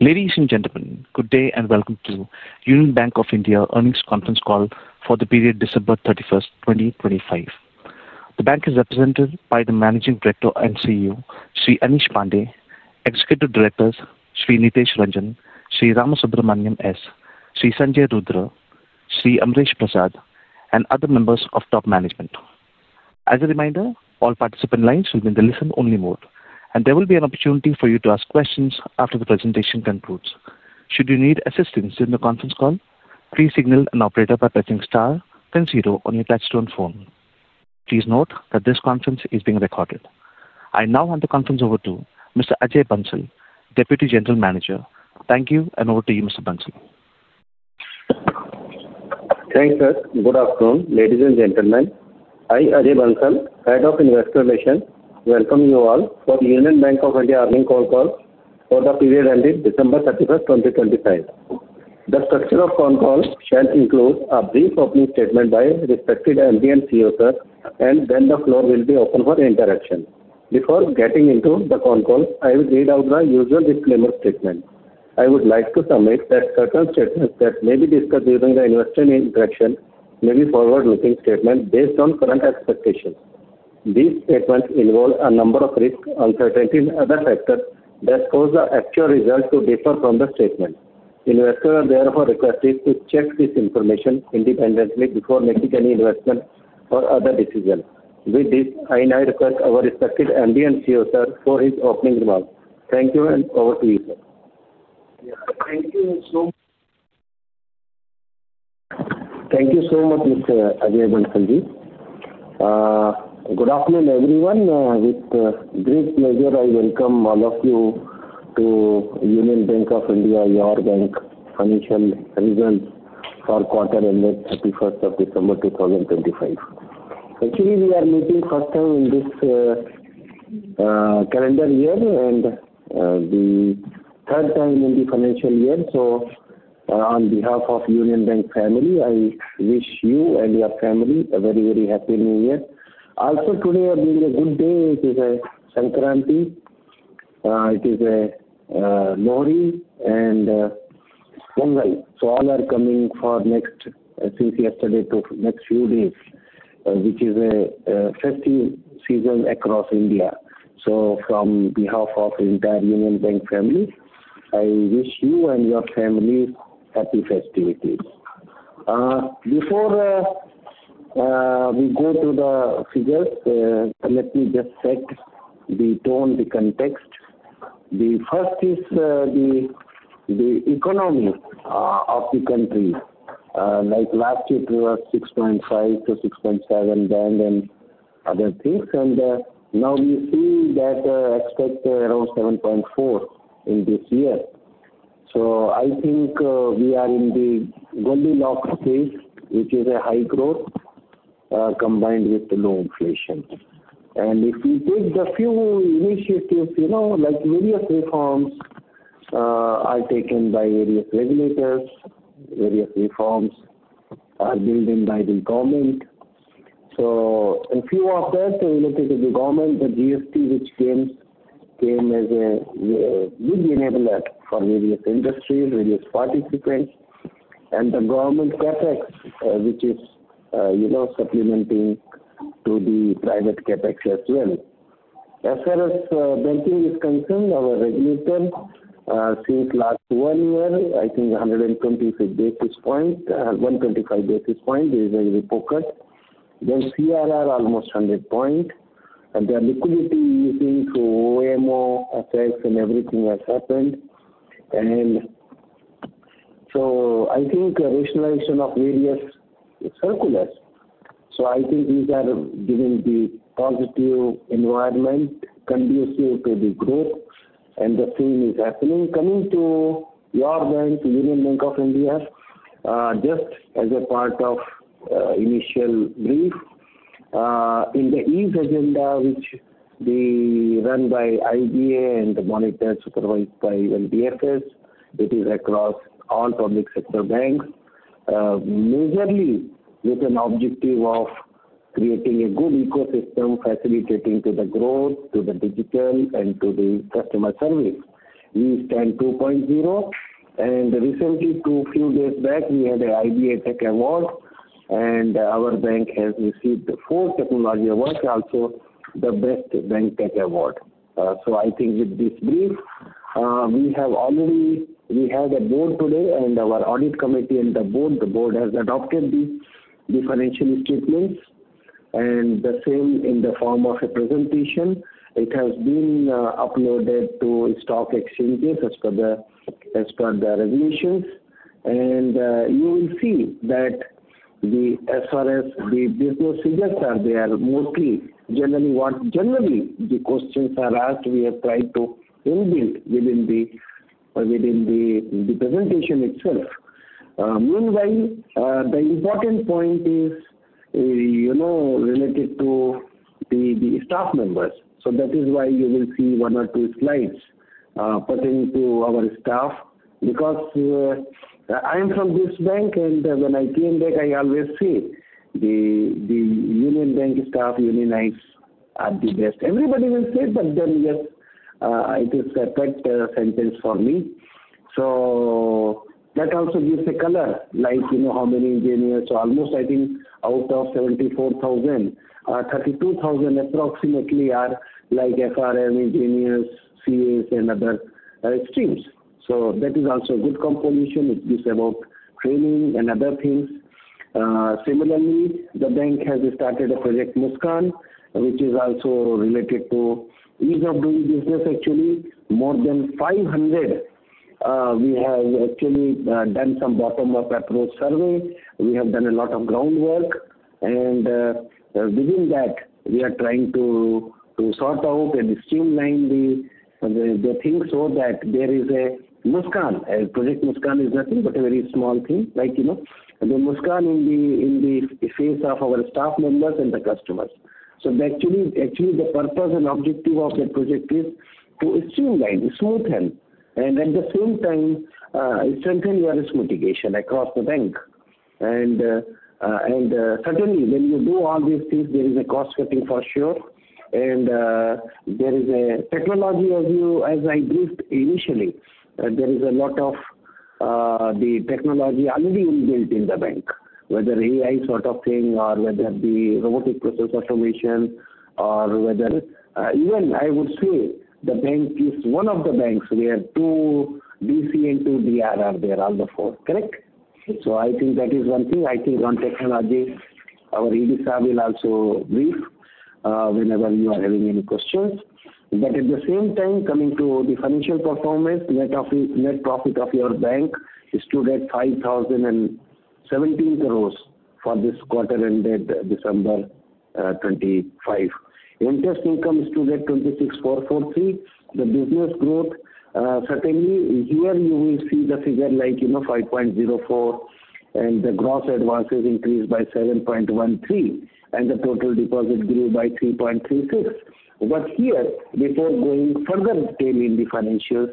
Ladies and gentlemen, good day and welcome to Union Bank of India Earnings Conference Call for the period December 31st, 2025. The bank is represented by the Managing Director and CEO, Sri Asheesh Pandey, Executive Directors, Sri Nitesh Ranjan, Sri Ramasubramanian S., Sri Sanjay Rudra, Sri Amresh Prasad, and other members of top management. As a reminder, all participant lines will be in the listen-only mode, and there will be an opportunity for you to ask questions after the presentation concludes. Should you need assistance during the conference call, please signal an operator by pressing star then zero on your touchtone phone. Please note that this conference is being recorded. I now hand the conference over to Mr. Ajay Bansal, Deputy General Manager. Thank you, and over to you, Mr. Bansal. Thank you, sir. Good afternoon, ladies and gentlemen. I, Ajay Bansal, Head of Investor Relations, welcome you all for the Union Bank of India Earnings Conference Call for the period ending December 31st, 2025. The structure of the conference call shall include a brief opening statement by respected MD and CEO, sir, and then the floor will be open for interaction. Before getting into the call, I will read out the usual disclaimer statement. I would like to submit that certain statements that may be discussed during the investor interaction may be forward-looking statements based on current expectations. These statements involve a number of risks, uncertainties, and other factors that cause the actual result to differ from the statement. Investors are therefore requested to check this information independently before making any investment or other decisions. With this, I now request our respected MD and CEO, sir, for his opening remarks. Thank you, and over to you, sir. Thank you so much. Thank you so much, Mr. Ajay Bansal ji. Good afternoon, everyone. With great pleasure, I welcome all of you to Union Bank of India, your bank, financial results for quarter ended 31st of December, 2025. Actually, we are meeting for the first time in this calendar year and the third time in the financial year. So, on behalf of the Union Bank family, I wish you and your family a very, very happy New Year. Also, today being a good day, it is a Sankranti, it is a Lohri, and Pongal. So, all are coming for next since yesterday to next few days, which is a festive season across India. So, from behalf of the entire Union Bank family, I wish you and your family happy festivities. Before we go to the figures, let me just set the tone, the context. The first is the economy of the country, like last year it was 6.5%-6.7% band and other things, and now we see that expect around 7.4% in this year. So, I think we are in the Goldilocks phase, which is a high growth combined with low inflation. And if we take the few initiatives, you know, like various reforms are taken by various regulators, various reforms are built in by the government. So, a few of that related to the government, the GST, which came as a big enabler for various industries, various participants, and the government CapEx, which is, you know, supplementing to the private CapEx as well. As far as banking is concerned, our regulator since last one year, I think 125 basis points, 125 basis points is a repo cut. CRR almost 100 points, and the liquidity easing through OMO, FX, and everything has happened. So, I think the rationalization of various circulars [is also happening]. These are giving [a] positive environment conducive to the growth, and the same is happening. Coming to your bank, Union Bank of India, just as a part of the initial brief, in the EASE agenda, which is run by IBA and monitored and supervised by DFS, it is across all public sector banks, majorly with an objective of creating a good ecosystem facilitating the growth, the digital, and the customer service. We stand [at] 2.0, and recently, a few days back, we had an IBA Tech Award, and our bank has received the fourth technology award, also the best bank tech award. I think with this brief, we have already, we had a board today, and our audit committee and the board. The board has adopted the financial statements, and the same in the form of a presentation. It has been uploaded to stock exchanges as per the regulations, and you will see that as far as the business figures are, they are mostly generally what generally the questions are asked. We have tried to inbuilt within the presentation itself. Meanwhile, the important point is, you know, related to the staff members. That is why you will see one or two slides pertaining to our staff, because I am from this bank, and when I came back, I always say the Union Bank staff union is the best. Everybody will say, but then just it is a separate sentiment for me. That also gives a color, like you know how many engineers, almost I think out of 74,000, 32,000 approximately are like FRM engineers, CAs, and other streams. So, that is also a good composition. It gives about training and other things. Similarly, the bank has started a project, Muskaan, which is also related to ease of doing business, actually. More than 500, we have actually done some bottom-up approach survey. We have done a lot of groundwork, and within that, we are trying to sort out and streamline the things so that there is a Muskaan. A Project Muskaan is nothing but a very small thing, like you know, the Muskaan in the face of our staff members and the customers. So, actually, the purpose and objective of the project is to streamline, smoothen, and at the same time strengthen your risk mitigation across the bank. Certainly, when you do all these things, there is a cost cutting for sure, and there is a technology as you, as I briefed initially, there is a lot of the technology already inbuilt in the bank, whether AI sort of thing or whether the robotic process automation or whether. Even I would say the bank is one of the banks where two DC and two DR are there on the fourth, correct? So, I think that is one thing. I think on technology, our ED sir will also brief whenever you are having any questions. But at the same time, coming to the financial performance, net profit of your bank stood at 5,017 crore for this quarter ended December 2025. Interest income stood at 26,443 crore. The business growth, certainly here you will see the figure like you know 5.04, and the gross advances increased by 7.13, and the total deposit grew by 3.36. But here, before going further detail in the financials,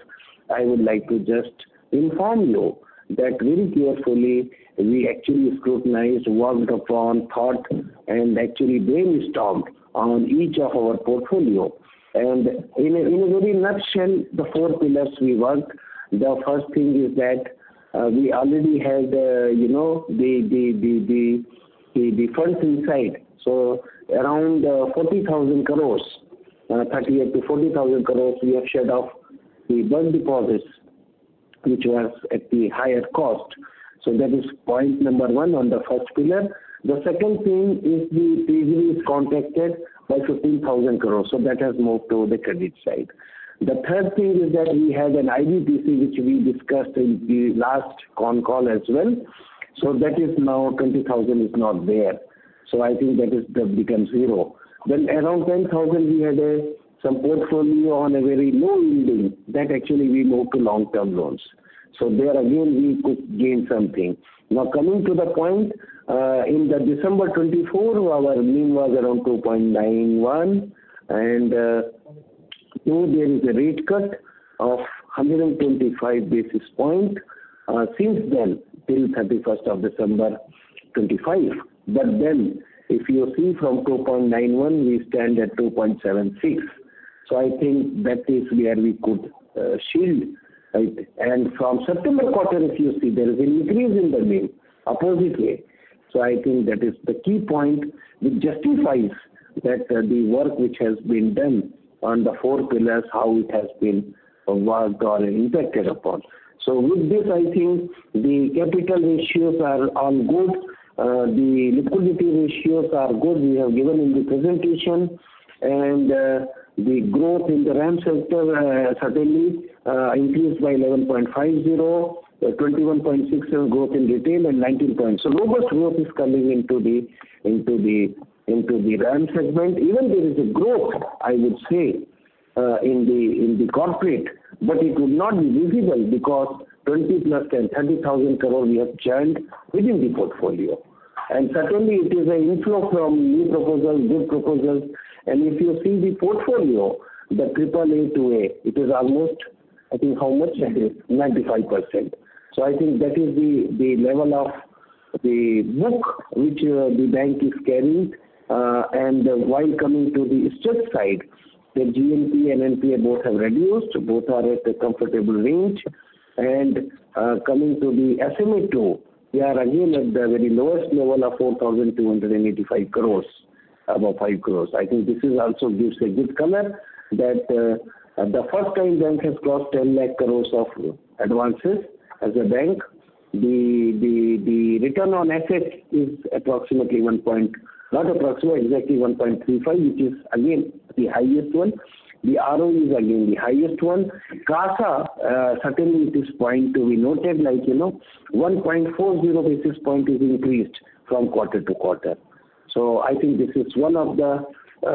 I would like to just inform you that very carefully we actually scrutinized, worked upon, thought, and actually brainstormed on each of our portfolio. In a very nutshell, the four pillars we worked, the first thing is that we already had, you know, the funds inside. So, around 40,000 crore, 38,000-40,000 crore we have shed off the bank deposits, which was at the higher cost. So, that is point number one on the first pillar. The second thing is the treasury is contracted by 15,000 crore. So, that has moved to the credit side. The third thing is that we had an IBPC, which we discussed in the last con call as well. So, that is now 20,000 is not there. So, I think that is the become zero. Then around 10,000, we had some portfolio on a very low yielding. That actually we moved to long-term loans. So, there again we could gain something. Now, coming to the point, in the December 2024, our NIM was around 2.91, and there is a rate cut of 125 basis points since then till 31st of December 2025. But then if you see from 2.91, we stand at 2.76. So, I think that is where we could shield, and from September quarter, if you see, there is an increase in the NIM opposite way. I think that is the key point which justifies that the work which has been done on the four pillars, how it has been worked on and impacted upon. With this, I think the capital ratios are all good. The liquidity ratios are good. We have given in the presentation, and the growth in the RAM sector certainly increased by 11.50%, 21.67% growth in retail, and 19%. Robust growth is coming into the RAM segment. Even there is a growth, I would say, in the corporate, but it would not be visible because 20 plus 10, 30,000 crore we have churned within the portfolio. And certainly, it is an inflow from new proposals, good proposals. And if you see the portfolio, the AAA to A, it is almost, I think, how much is it? 95%. I think that is the level of the book which the bank is carrying. While coming to the stress side, the GNPA both have reduced. Both are at a comfortable range. Coming to the SMA-2, we are again at the very lowest level of 4,285 crore, above 5 crore. I think this also gives a good color that the first time bank has crossed 10 lakh crore of advances as a bank. The return on asset is approximately 1. Not approximately, exactly 1.35, which is again the highest one. The ROE is again the highest one. CASA, certainly it is point to be noted, like you know, 1.40 basis points is increased from quarter to quarter. I think this is one of the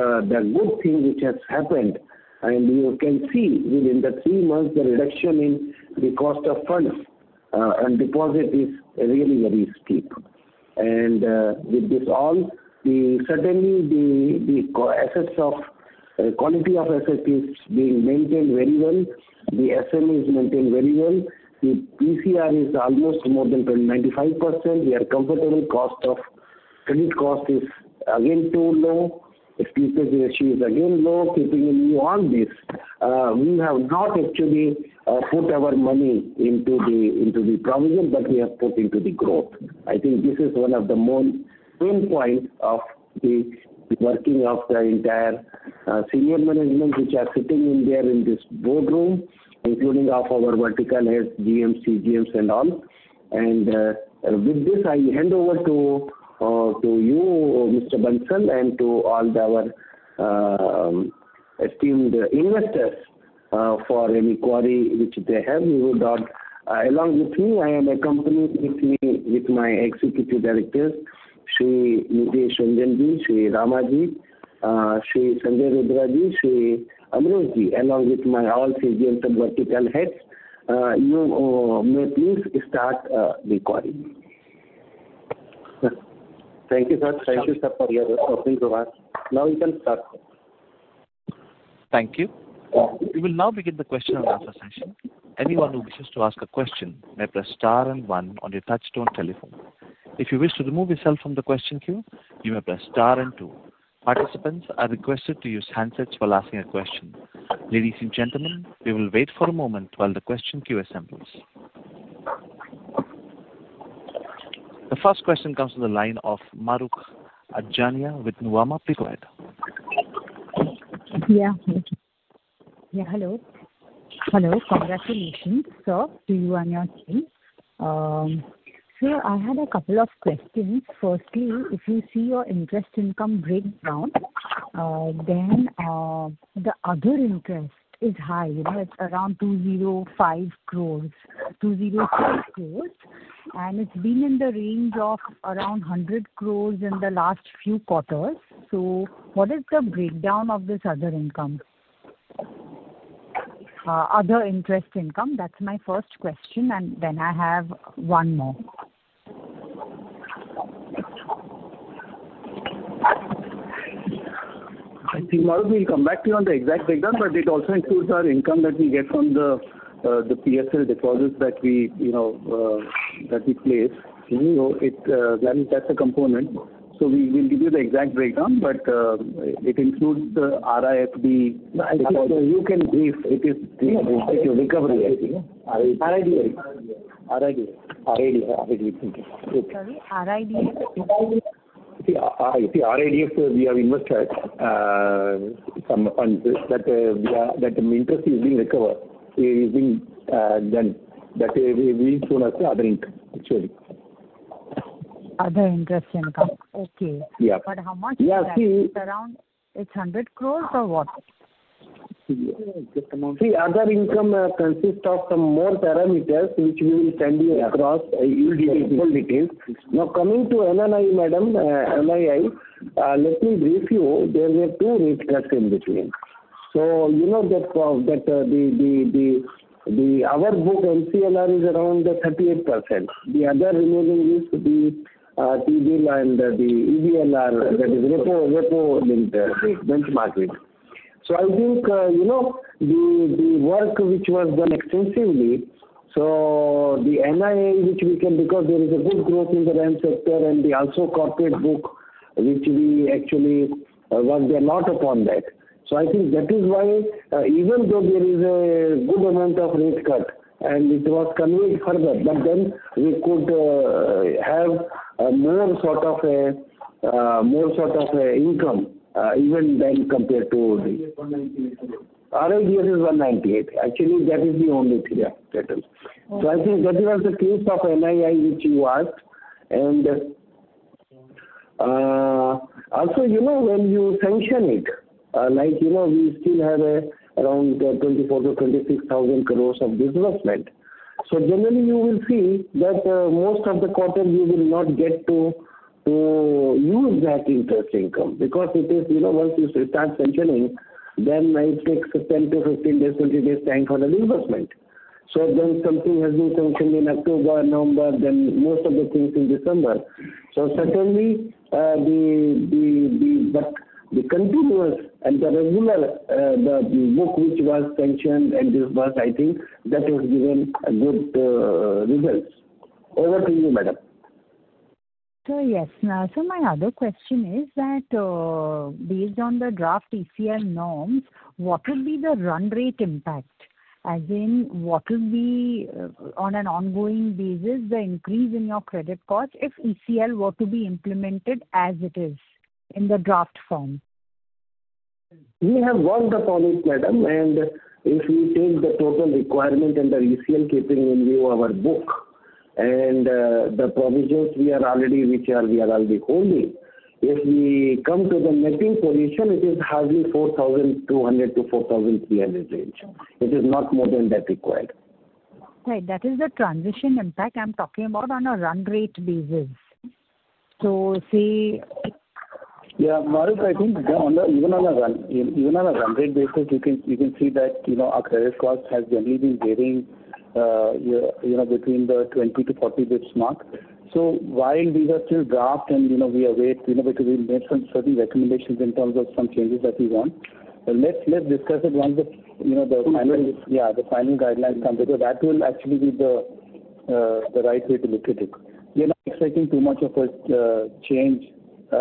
good things which has happened. You can see within the three months, the reduction in the cost of funds and deposit is really very steep. With this all, certainly the asset quality is being maintained very well. The SMA is maintained very well. The PCR is almost more than 95%. We are comfortable. Cost of credit cost is again too low. Expenses issue is again low. Keeping in view on this, we have not actually put our money into the provision, but we have put into the growth. I think this is one of the main points of the working of the entire senior management, which are sitting in there in this boardroom, including our vertical heads, GMs, CGMs, and all. With this, I hand over to you, Mr. Bansal, and to all our esteemed investors for any query which they have. We would not, along with me, I am accompanied with my executive directors, Sri Nitesh Ranjan, Sri Ramasubramanian S., Sri Sanjay Rudra Ji, Sri Amresh Prasad, along with my all CGMs and vertical heads. You may please start the query. Thank you, sir. Thank you, sir, for your talking to us. Now you can start. Thank you. We will now begin the question and answer session. Anyone who wishes to ask a question may press star and one on your touch-tone telephone. If you wish to remove yourself from the question queue, you may press star and two. Participants are requested to use handsets while asking a question. Ladies and gentlemen, we will wait for a moment while the question queue assembles. The first question comes from the line of Mahrukh Adajania with Nuvama Wealth Management. Yeah. Yeah, hello. Hello, congratulations, sir, to you and your team. Sir, I had a couple of questions. Firstly, if you see your interest income breakdown, then the other interest is high. You know, it's around 205 crore, 205 crore, and it's been in the range of around 100 crore in the last few quarters. So, what is the breakdown of this other income? Other interest income? That's my first question, and then I have one more. I think Mahrukh, we'll come back to you on the exact breakdown, but it also includes our income that we get from the PSL deposits that we, you know, that we place. So, that's a component. So, we will give you the exact breakdown, but it includes RIDF. I think you can brief. It is recovery, I think. RIDF. RIDF. RIDF, thank you. Sorry, RIDF? See, RIDF, we have invested some funds that interest is being recovered. It is being shown as the other income, actually. Other interest income, okay. Yeah. But how much is that? Yeah, see. It's around, it's 100 crore or what? See, other income consists of some more parameters, which we will send you across. You'll get the full details. Now, coming to NII, madam, NII, let me brief you. There were two risk tests in between. So, you know that our book, MCLR, is around 38%. The other remaining is the T-Bill and the EBLR, that is repo linked benchmarking. So, I think, you know, the work which was done extensively. So, the NIM, which we can, because there is a good growth in the RAM sector and also the corporate book, which we actually worked a lot upon that. So, I think that is why, even though there is a good amount of rate cut and it was conveyed further, but then we could have more sort of a, more sort of an income, even then compared to the RIDF is 198. Actually, that is the only thing that is. So, I think that was the case of NII, which you asked. And also, you know, when you sanction it, like you know, we still have around 24,000-26,000 crore of disbursement. So, generally, you will see that most of the quarters, you will not get to use that interest income because it is, you know, once you start sanctioning, then it takes 10-15 days, 20 days time for the disbursement. So, then something has been sanctioned in October, November, then most of the things in December. Certainly, the continuous and the regular book which was sanctioned and disbursed, I think that has given good results. Over to you, madam. Sir, yes. Sir, my other question is that based on the draft ECL norms, what would be the run rate impact? As in, what would be, on an ongoing basis, the increase in your credit costs if ECL were to be implemented as it is in the draft form? We have worked upon it, madam, and if we take the total requirement and the ECL keeping in view of our book and the provisions we are already, which we are already holding, if we come to the netting position, it is hardly 4,200-4,300 range. It is not more than that required. Right. That is the transition impact I'm talking about on a run rate basis. So, see. Yeah, Mahrukh, I think even on a run rate basis, you can see that, you know, our credit cost has generally been varying, you know, between 20 basis points-40 basis points mark. So, while these are still draft and, you know, we await, you know, because we made some certain recommendations in terms of some changes that we want. Let's discuss it once the, you know, the final, yeah, the final guidelines come together. That will actually be the right way to look at it. We are not expecting too much of a change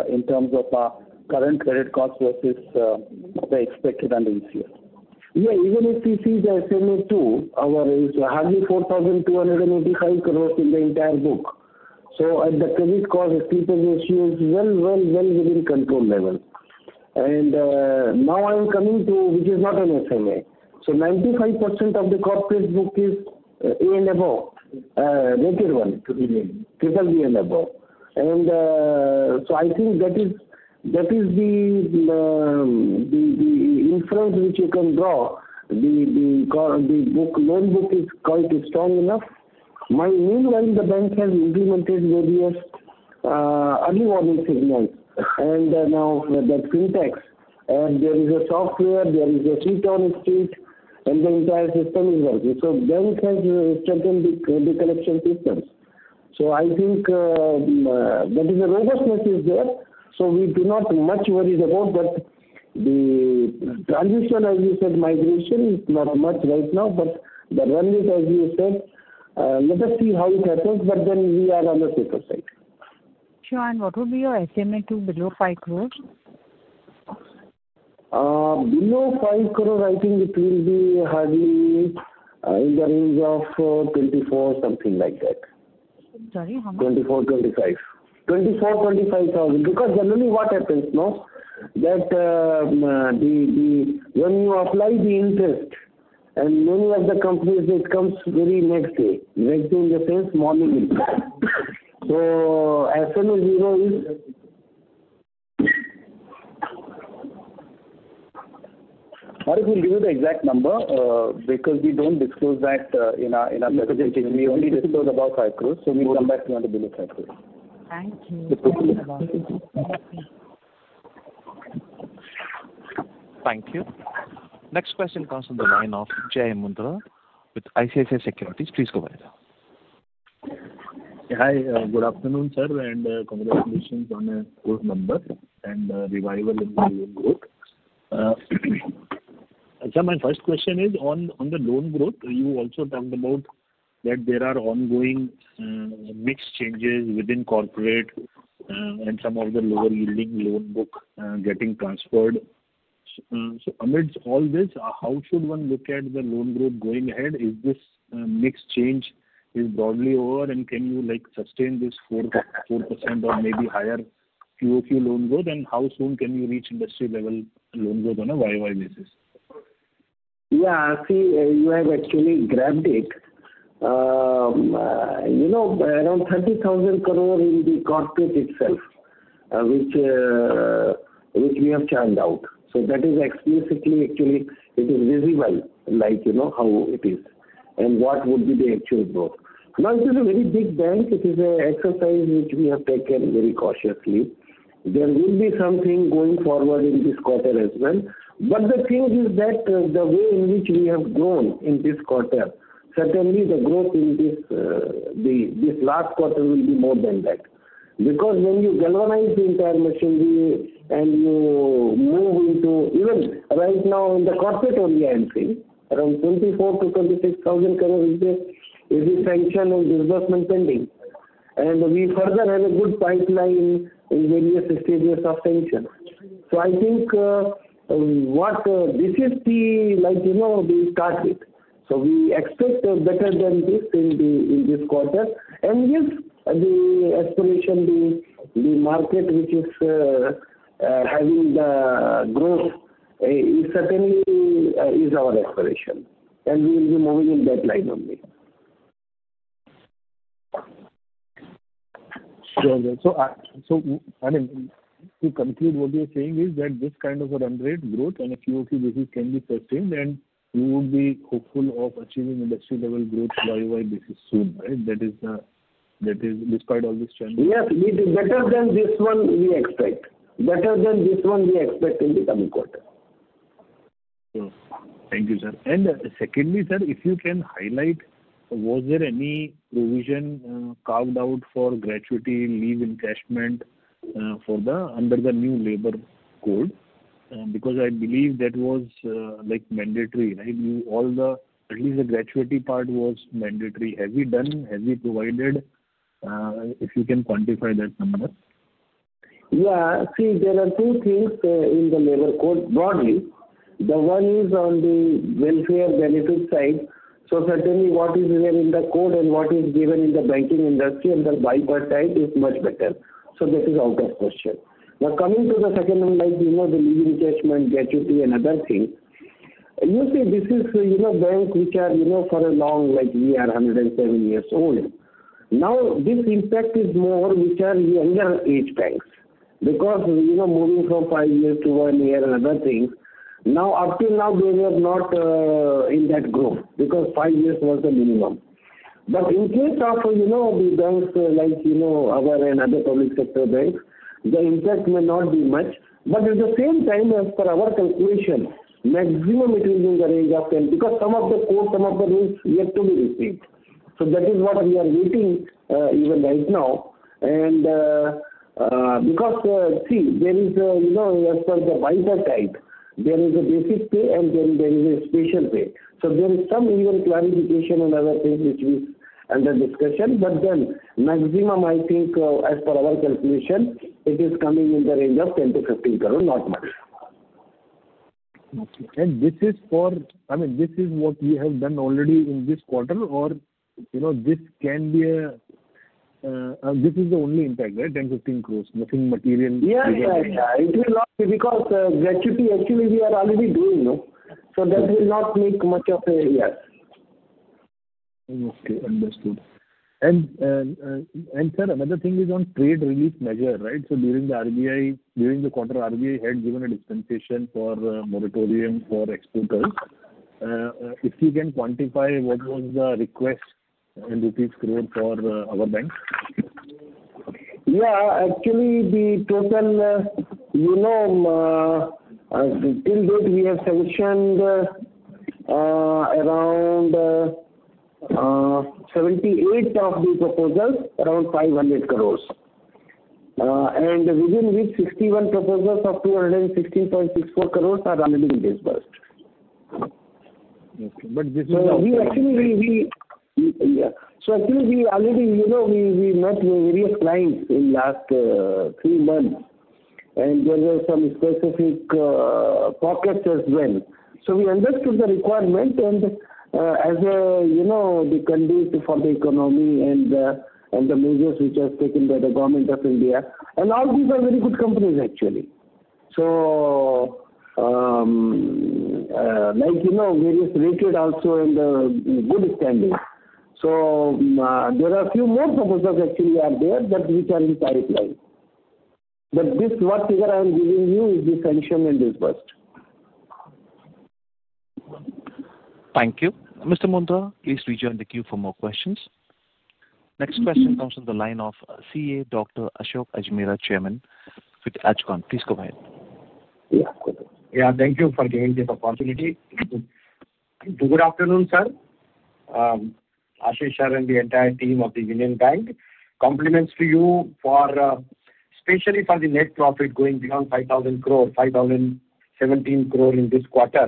in terms of our current credit costs versus the expected under ECL. Yeah, even if we see the SMA-2, ours is hardly 4,285 crore in the entire book. So, at the credit cost, it seems as if it is well, well, well within control level. And now I'm coming to, which is not an SMA. 95% of the corporate book is A and above, rated one, BBB and above. And so, I think that is the inference which you can draw. The book, loan book is quite strong enough. Meanwhile, the bank has implemented various early warning signals. And now that fintechs, and there is a software, there is a feet on the street, and the entire system is working. So, the bank has certain recollection systems. So, I think that is a robustness is there. So, we do not much worry about, but the transition, as you said, migration is not much right now, but the run rate, as you said, let us see how it happens, but then we are on the safer side. Sir, and what would be your SMA-2 below 5 crore? Below 5 crore, I think it will be hardly in the range of 24, something like that. Sorry, how much? 24-25. 24,000-25,000. Because generally what happens, you know, that when you apply the interest, and many of the companies, it comes very next day. Next day in the sense, morning interest. So, SMA-0 is. Mahrukh, we'll give you the exact number because we don't disclose that in our presentation. We only disclose about INR 5 crore. So, we come back to you on the below INR 5 crore. Thank you. Thank you. Next question comes from the line of Jay Mundra with ICICI Securities. Please go ahead. Hi, good afternoon, sir, and congratulations on a good number and revival in the loan growth. Sir, my first question is on the loan growth, you also talked about that there are ongoing mixed changes within corporate and some of the lower yielding loan book getting transferred. So, amidst all this, how should one look at the loan growth going ahead? Is this mixed change broadly over, and can you sustain this 4% or maybe higher QoQ loan growth, and how soon can you reach industry level loan growth on a YoY basis? Yeah, see, you have actually grabbed it. You know, around 30,000 crore in the corporate itself, which we have churned out. So, that is explicitly, actually, it is visible, like you know how it is and what would be the actual growth. Now, it is a very big bank. It is an exercise which we have taken very cautiously. There will be something going forward in this quarter as well. But the thing is that the way in which we have grown in this quarter, certainly the growth in this last quarter will be more than that. Because when you galvanize the entire machinery and you move into, even right now in the corporate only, I am saying, around 24,000-26,000 crore is the sanction and disbursement pending. And we further have a good pipeline in various stages of sanction. So, I think what this is the, like you know, the target. So, we expect better than this in this quarter. And yes, the aspiration, the market which is having the growth, it certainly is our aspiration. And we will be moving in that line only. So, I mean, to conclude, what you're saying is that this kind of a run rate growth and a QoQ basis can be sustained, and we would be hopeful of achieving industry level growth YoY basis soon, right? That is despite all these changes. Yes, better than this one we expect. Better than this one we expect in the coming quarter. Thank you, sir. And secondly, sir, if you can highlight, was there any provision carved out for gratuity, leave encashment under the new Labour Code? Because I believe that was like mandatory, right? All the, at least the gratuity part was mandatory. Have you done? Have you provided? If you can quantify that number. Yeah, see, there are two things in the Labour Code broadly. The one is on the welfare benefit side. So, certainly what is there in the code and what is given in the banking industry and the buy-side is much better. So, that is out of question. Now, coming to the second, like you know, the leave encashment, gratuity, and other things. You see, this is, you know, banks which are, you know, for a long, like we are 107 years old. Now, this impact is more which are the younger age banks. Because, you know, moving from five years to one year and other things, now up to now, they have not in that growth because five years was the minimum. But in case of, you know, the banks, like you know, our and other public sector banks, the impact may not be much. But at the same time, as per our calculation, maximum it will be in the range of 10 because some of the codes, some of the rules yet to be retained. So, that is what we are waiting even right now. And because, see, there is, you know, as per the bipartite side, there is a basic pay and then there is a special pay. So, there is some even clarification and other things which we under discussion. But then, maximum, I think, as per our calculation, it is coming in the range of 10 crore-15 crore, not much. And this is for, I mean, this is what we have done already in this quarter or, you know, this can be a, this is the only impact, right? 10 crore-15 crore, nothing material. Yeah, it will not be because gratuity, actually, we are already doing, you know. So, that will not make much of a, yes. Okay, understood. And sir, another thing is on trade relief measure, right? So, during the RBI, during the quarter, RBI had given a dispensation for moratorium for exporters. If you can quantify what was the request in rupees, crore for our bank? Yeah, actually, the total, you know, till date, we have sanctioned around 78 of the proposals, around 500 crore. Within which, 61 proposals of 216.64 crore are already disbursed. Okay, but this is the. So, we actually, we, yeah. So, actually, we already, you know, we met with various clients in the last three months. And there were some specific pockets as well. So, we understood the requirement and as a, you know, the conduit for the economy and the measures which are taken by the government of India. And all these are very good companies, actually. So, like you know, various rated also in the good standing. So, there are a few more proposals actually out there that which are in pipeline. But this what figure I am giving you is the sanction and disbursed. Thank you. Mr. Mundra, please rejoin the queue for more questions. Next question comes from the line of CA Dr. Ashok Ajmera, Chairman with Ajcon Global Services, please go ahead. Yeah, thank you for giving this opportunity. Good afternoon, sir. Asheesh and the entire team of the Union Bank. Compliments to you for, especially for the net profit going beyond 5,000 crore, 5,017 crore in this quarter,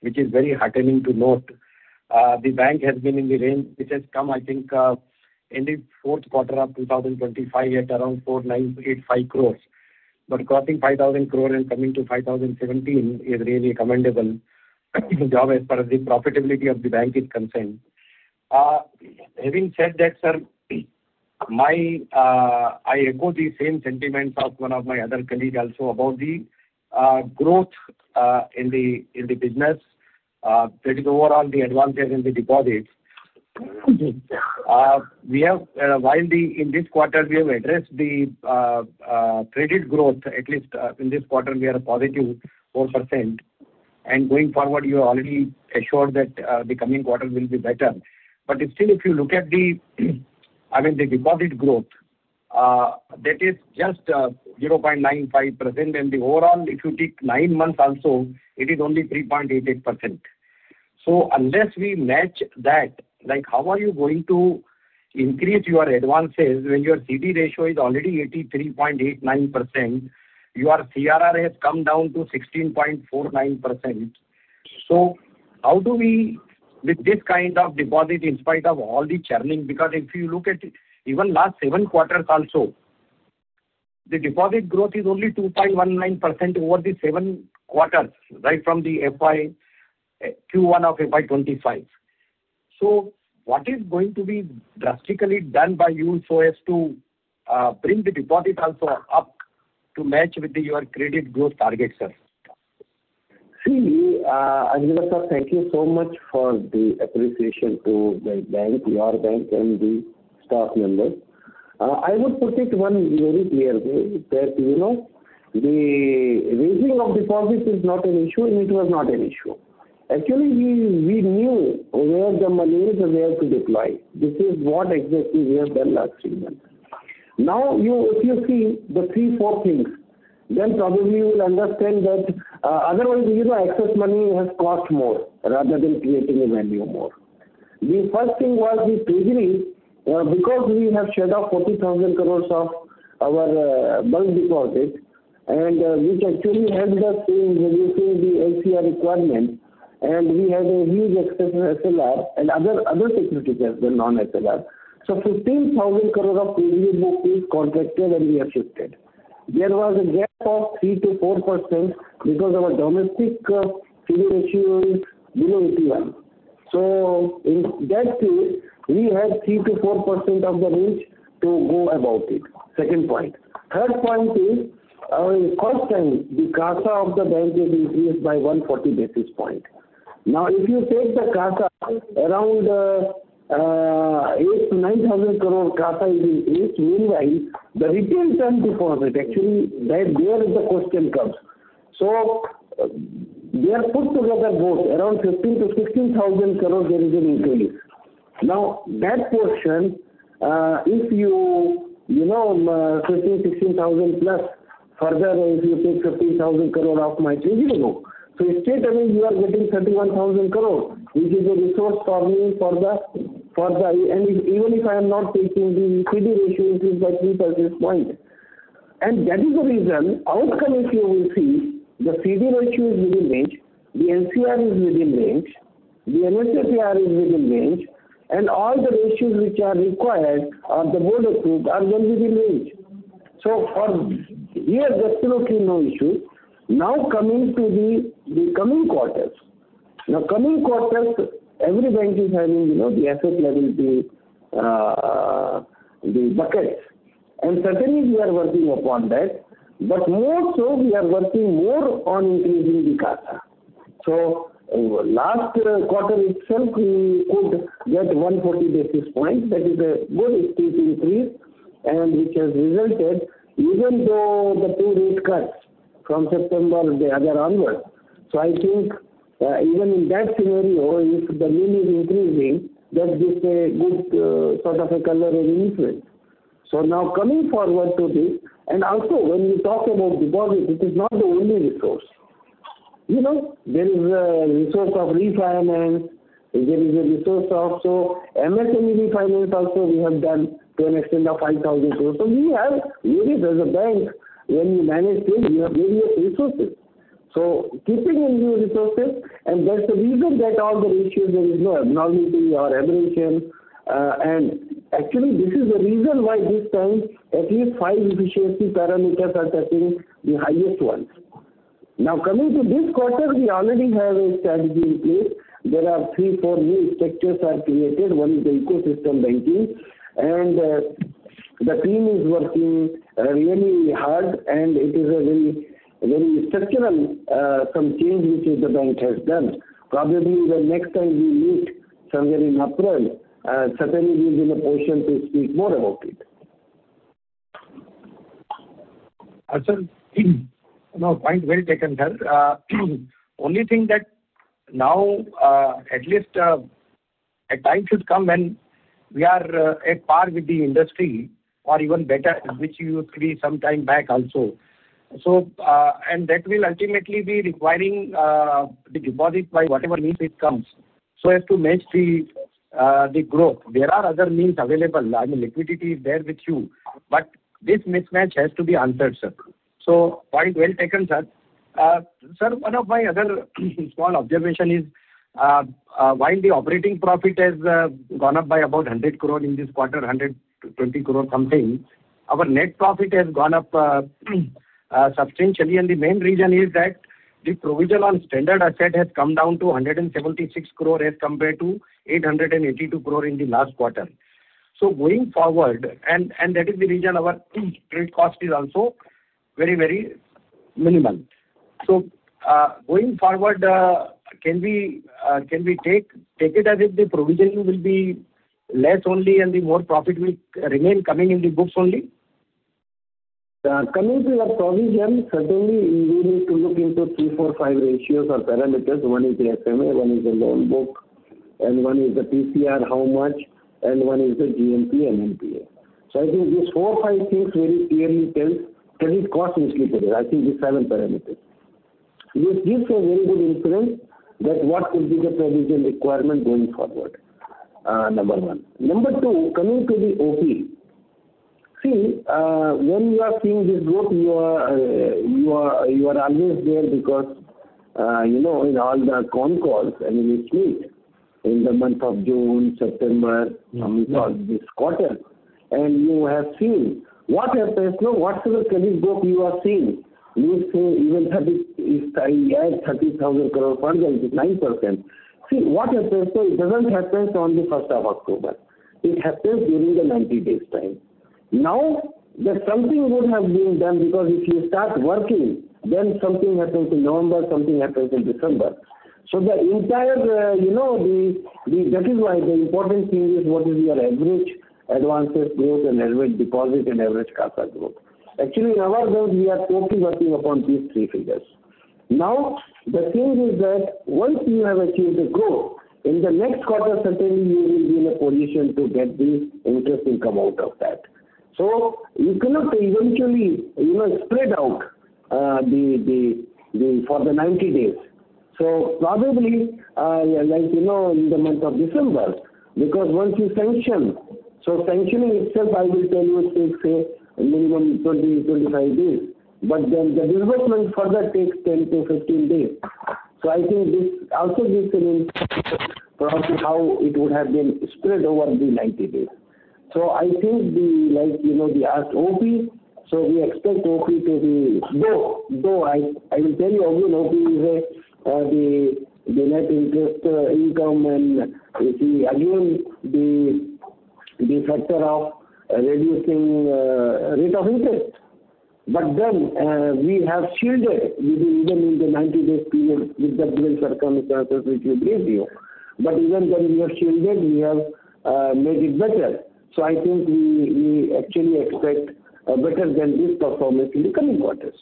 which is very heartening to note. The bank has been in the range, which has come, I think, ending fourth quarter of 2025 at around 4,985 crore. But crossing 5,000 crore and coming to 5,017 is really a commendable job as far as the profitability of the bank is concerned. Having said that, sir, I echo the same sentiments of one of my other colleagues also about the growth in the business. That is overall the advances in the deposits. We have, while in this quarter, we have addressed the credit growth, at least in this quarter, we are a +4%. And going forward, you already assured that the coming quarter will be better. But still, if you look at the, I mean, the deposit growth, that is just 0.95%. And the overall, if you take nine months also, it is only 3.88%. So, unless we match that, like how are you going to increase your advances when your CD ratio is already 83.89%? Your CRR has come down to 16.49%. So, how do we with this kind of deposit in spite of all the churning? Because if you look at even last seven quarters also, the deposit growth is only 2.19% over the seven quarters, right from the FY Q1 of FY 2025. So, what is going to be drastically done by you so as to bring the deposit also up to match with your credit growth target, sir? See, Ajmera sir, thank you so much for the appreciation to my bank, your bank, and the staff members. I would put it one very clear way that, you know, the raising of deposits is not an issue and it was not an issue. Actually, we knew where the money is and where to deploy. This is what exactly we have done last three months. Now, if you see the three, four things, then probably you will understand that otherwise, you know, excess money has cost more rather than creating a revenue more. The first thing was the treasury because we have shed off 40,000 crore of our bulk deposits, and which actually helped us in reducing the LCR requirement. And we had a huge excess SLR and other securities as well non-SLR. So, 15,000 crore of treasury book is contracted and we assisted. There was a gap of 3%-4% because our domestic CD ratio is below 81%. So, in that case, we had 3%-4% of the range to go about it. Second point. Third point is, first time, the CASA of the bank is increased by 140 basis points. Now, if you take the CASA, around 8,000 crore-9,000 crore CASA is increased, meanwhile, the retail term deposit, actually, that is where the question comes. So, they are put together both, around 15,000 crore-16,000 crore, there is an increase. Now, that portion, if you, you know, 15,000 crore-16,000+, further, if you take 15,000 crore off my treasury book, so that amount, you are getting 31,000 crore, which is a resource for me for the, and even if I am not taking the CD ratio, it is by 3 percentage points. And that is the reason, outcome if you will see, the CD ratio is within range, the LCR is within range, the NSFR is within range, and all the ratios which are required of the board approved are then within range. So, for here, there's absolutely no issue. Now, coming to the coming quarters, every bank is having, you know, the asset level to the buckets. And certainly, we are working upon that. But more so, we are working more on increasing the CASA. So, last quarter itself, we could get 140 basis points. That is a good, excuse me, increase, and which has resulted, even though the two rate cuts from September, the other onwards. So, I think even in that scenario, if the NIM is increasing, that gives a good sort of a color and an influence. So, now coming forward to this, and also when we talk about deposits, it is not the only resource. You know, there is a resource of refinance, there is a resource of, so MSME refinance also we have done to an extent of 5,000 crore. So, we have various as a bank, when you manage things, you have various resources. So, keeping in view resources, and that's the reason that all the ratios, there is no abnormality or aberration. And actually, this is the reason why this time, at least five efficiency parameters are touching the highest ones. Now, coming to this quarter, we already have a strategy in place. There are three, four new structures that are created. One is the Ecosystem Banking. And the team is working really hard, and it is a very, very structural some change which the bank has done. Probably when next time we meet somewhere in April, certainly there will be a portion to speak more about it. Sir, point well taken, sir. Only thing that now, at least a time should come when we are at par with the industry, or even better, which you agreed some time back also. And that will ultimately be requiring the deposit by whatever means it comes. So, as to match the growth, there are other means available. I mean, liquidity is there with you. But this mismatch has to be answered, sir. So, point well taken, sir. Sir, one of my other small observations is, while the operating profit has gone up by about 100 crore in this quarter, 120 crore something, our net profit has gone up substantially. The main reason is that the provision for standard assets has come down to 176 crore as compared to 882 crore in the last quarter. Going forward, and that is the reason our credit cost is also very, very minimal. Going forward, can we take it as if the provision will be less only and the more profit will remain coming in the books only? Coming to your provision, certainly you need to look into three, four, five ratios or parameters. One is the SMA, one is the loan book, and one is the PCR, how much, and one is the GNPA and NNPA. I think these four, five things very clearly tell credit cost is limited. I think these seven parameters. This gives a very good inference that what could be the provision requirement going forward, number one. Number two, coming to the OP. See, when you are seeing this growth, you are always there because, you know, in all the con calls, I mean, we speak in the month of June, September, I mean, this quarter. And you have seen what happens, whatever credit book you are seeing, you see even INR 30,000 crore funds and it is 9%. See, what happens, so it doesn't happen on the first of October. It happens during the 90 days time. Now, that something would have been done because if you start working, then something happens in November, something happens in December. So, the entire, you know, that is why the important thing is what is your average advances growth and average deposit and average CASA growth. Actually, in our bank, we are totally working upon these three figures. Now, the thing is that once you have achieved the growth, in the next quarter, certainly you will be in a position to get the interest income out of that. So, you cannot eventually, you know, spread out the for the 90 days. So, probably, like you know, in the month of December, because once you sanction, so sanctioning itself, I will tell you, it takes a minimum 20, 25 days. But then the disbursement further takes 10 to 15 days. So, I think this also gives an inference for how it would have been spread over the 90 days. So, I think the, like you know, the asked OP, so we expect OP to be though, though I will tell you again, OP is the net interest income and you see again the factor of reducing rate of interest. But then we have shielded even in the 90-day period with the different circumstances which we bring you. But even then we have shielded; we have made it better. I think we actually expect better than this performance in the coming quarters.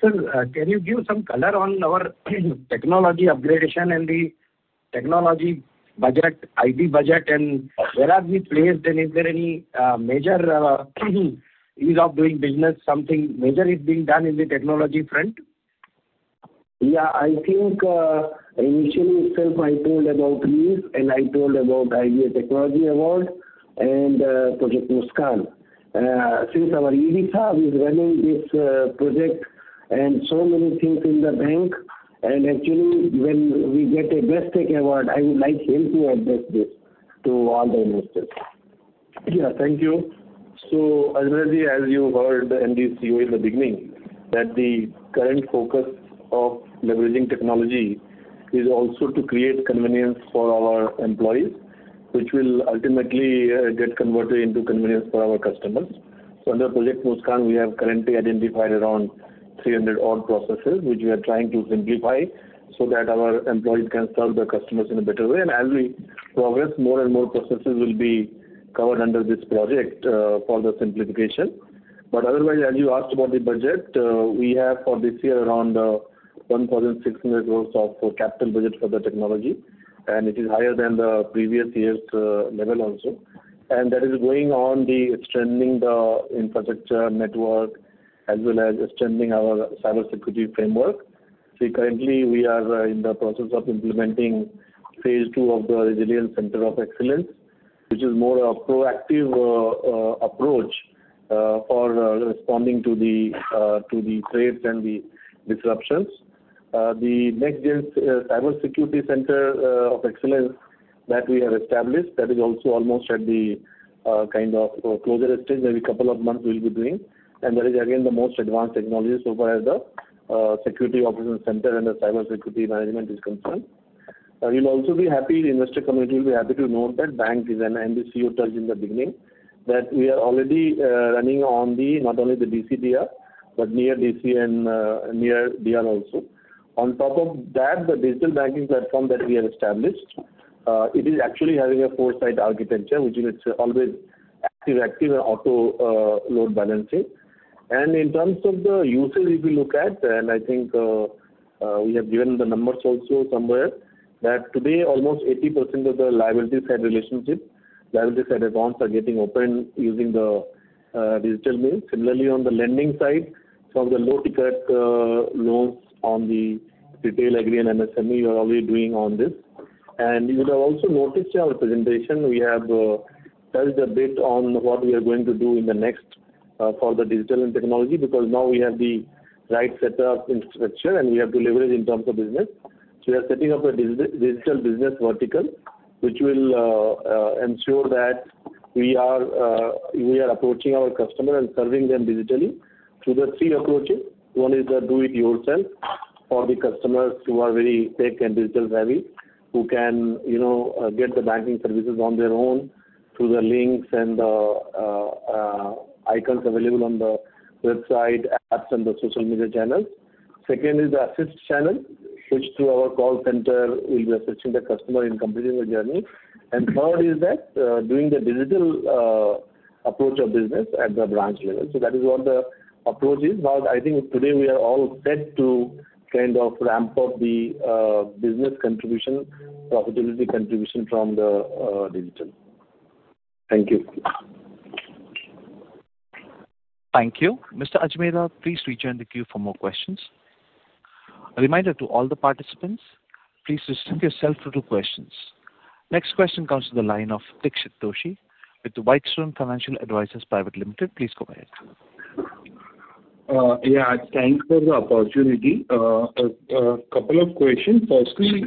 Sir, can you give some color on our technology upgradation and the technology budget, IT budget, and where are we placed? Is there any major ease of doing business, something major being done in the technology front? Yeah, I think initially itself I told about EASE and I told about AI Technology Award and Project Muskaan. Since our EASE is running this project and so many things in the bank, and actually when we get a Best Tech Award, I would like him to address this to all the investors. Yeah, thank you. Ajmera ji, as you heard MD CEO in the beginning, that the current focus of leveraging technology is also to create convenience for our employees, which will ultimately get converted into convenience for our customers. Under Project Muskaan, we have currently identified around 300 odd processes, which we are trying to simplify so that our employees can serve their customers in a better way. As we progress, more and more processes will be covered under this project for the simplification. Otherwise, as you asked about the budget, we have for this year around 1,600 crore of capital budget for the technology, and it is higher than the previous year's level also. That is going on the strengthening the infrastructure network as well as strengthening our cybersecurity framework. See, currently we are in the process of implementing phase II of the Resilience Center of Excellence, which is more of a proactive approach for responding to the threats and the disruptions. The next cybersecurity center of excellence that we have established, that is also almost at the kind of closure stage, maybe a couple of months we'll be doing. And that is again the most advanced technology so far as the security operations center and the cybersecurity management is concerned. We'll also be happy. The investor community will be happy to note that bank is an MD CEO touch in the beginning, that we are already running on the not only the DC-DR, but near DC and near DR also. On top of that, the digital banking platform that we have established, it is actually having a four-site architecture, which means it's always active-active and auto load balancing. In terms of the usage, if you look at, and I think we have given the numbers also somewhere, that today almost 80% of the liability side relationship, liability side accounts are getting open using the digital means. Similarly, on the lending side, some of the low-ticket loans on the retail agri and MSME, you are already doing on this. You will have also noticed in our presentation, we have touched a bit on what we are going to do in the next for the digital and technology because now we have the right setup infrastructure and we have to leverage in terms of business. We are setting up a digital business vertical, which will ensure that we are approaching our customer and serving them digitally through the three approaches. One is the Do-It-Yourself for the customers who are very tech and digital savvy, who can, you know, get the banking services on their own through the links and the icons available on the website, apps, and the social media channels. Second is the assist channel, which through our call center will be assisting the customer in completing the journey. And third is that doing the digital approach of business at the branch level. So, that is what the approach is. Now, I think today we are all set to kind of ramp up the business contribution, profitability contribution from the digital. Thank you. Thank you. Mr. Ajmera, please rejoin the queue for more questions. A reminder to all the participants, please reserve yourself for two questions. Next question comes to the line of Dixit Doshi with the Whitestone Financial Advisors Pvt. Ltd. Please go ahead. Yeah, thanks for the opportunity. A couple of questions. Firstly,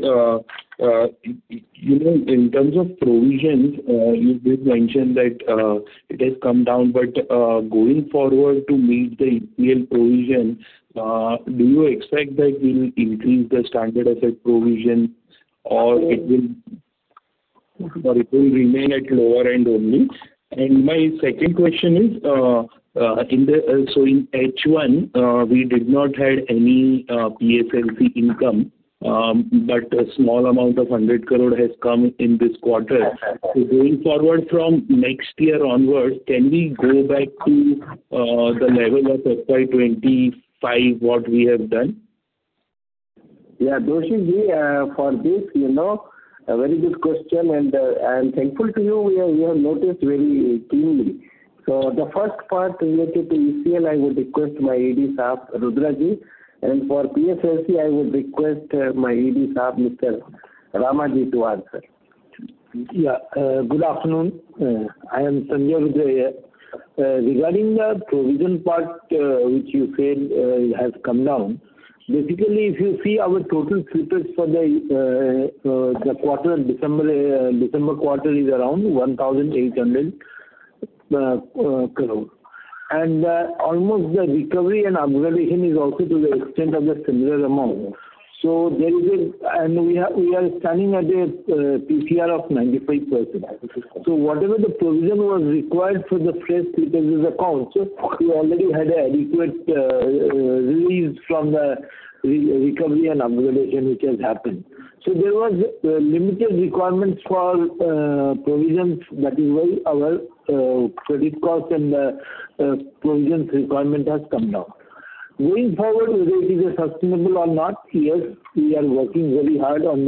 you know, in terms of provisions, you did mention that it has come down, but going forward to meet the ECL provision, do you expect that we will increase the standard asset provision or it will remain at lower end only? And my second question is, so in H1, we did not have any PSLC income, but a small amount of 100 crore has come in this quarter. So, going forward from next year onwards, can we go back to the level of FY 2025, what we have done? Yeah, Doshi, for this, you know, a very good question and I'm thankful to you. We have noticed very keenly. So, the first part related to ECL, I would request my ED Sanjay Rudra Ji. And for PSLC, I would request my ED Mr. Ramasubramanian Ji, to answer. Yeah, good afternoon. I am Sanjay Rudra Ji. Regarding the provision part, which you said has come down, basically if you see our total slippages for the quarter of December, December quarter is around 1,800 crore, and almost the recovery and upgradation is also to the extent of the similar amount. So, there is a, and we are standing at a PCR of 95%. So, whatever the provision was required for the fresh slippages, we already had an adequate release from the recovery and upgradation which has happened. So, there were limited requirements for provisions, that is why our credit cost and the provisions requirement has come down. Going forward, whether it is sustainable or not, yes, we are working very hard on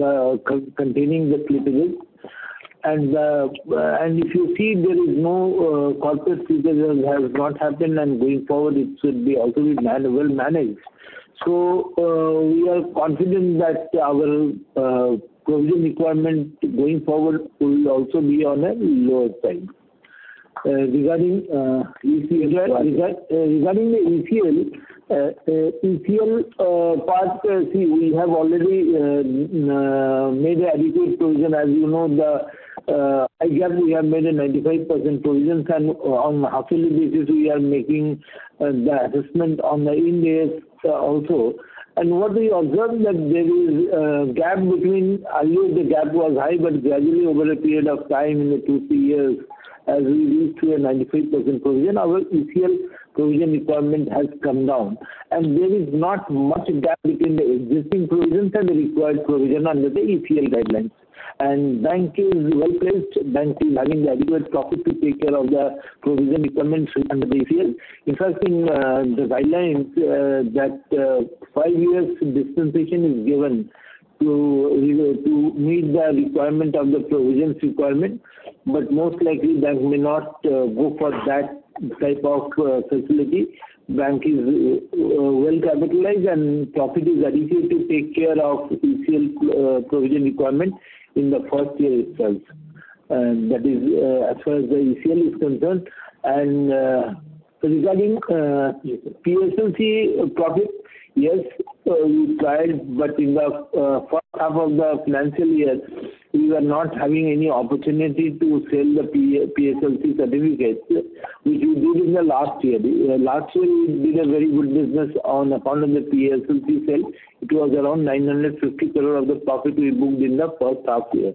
containing the slippages. And if you see, there is no corporate slippage has not happened, and going forward, it should be also well managed. So, we are confident that our provision requirement going forward will also be on a lower side. Regarding the ECL, ECL part, see, we have already made an adequate provision. As you know, I guess we have made a 95% provisions, and on a half-yearly basis, we are making the assessment on the IND AS also. And what we observed that there is a gap between, earlier the gap was high, but gradually over a period of time in the two to three years, as we reached to a 95% provision, our ECL provision requirement has come down. And there is not much gap between the existing provisions and the required provision under the ECL guidelines. And bank is well placed, bank is having the adequate profit to take care of the provision requirements under the ECL. In fact, in the guidelines, that five years dispensation is given to meet the requirement of the provisions requirement, but most likely bank may not go for that type of facility. Bank is well capitalized and profit is adequate to take care of ECL provision requirement in the first year itself, and that is as far as the ECL is concerned, and regarding PSLC profit, yes, we tried, but in the first half of the financial year, we were not having any opportunity to sell the PSLC certificates, which we did in the last year. Last year, we did a very good business on account of the PSLC sale. It was around 950 crore of the profit we booked in the first half year.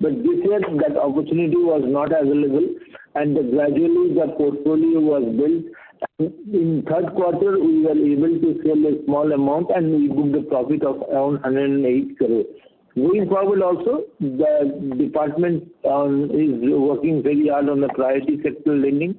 But this year, that opportunity was not available, and gradually the portfolio was built. In third quarter, we were able to sell a small amount, and we booked a profit of around 108 crore. Going forward also, the department is working very hard on the priority sector lending,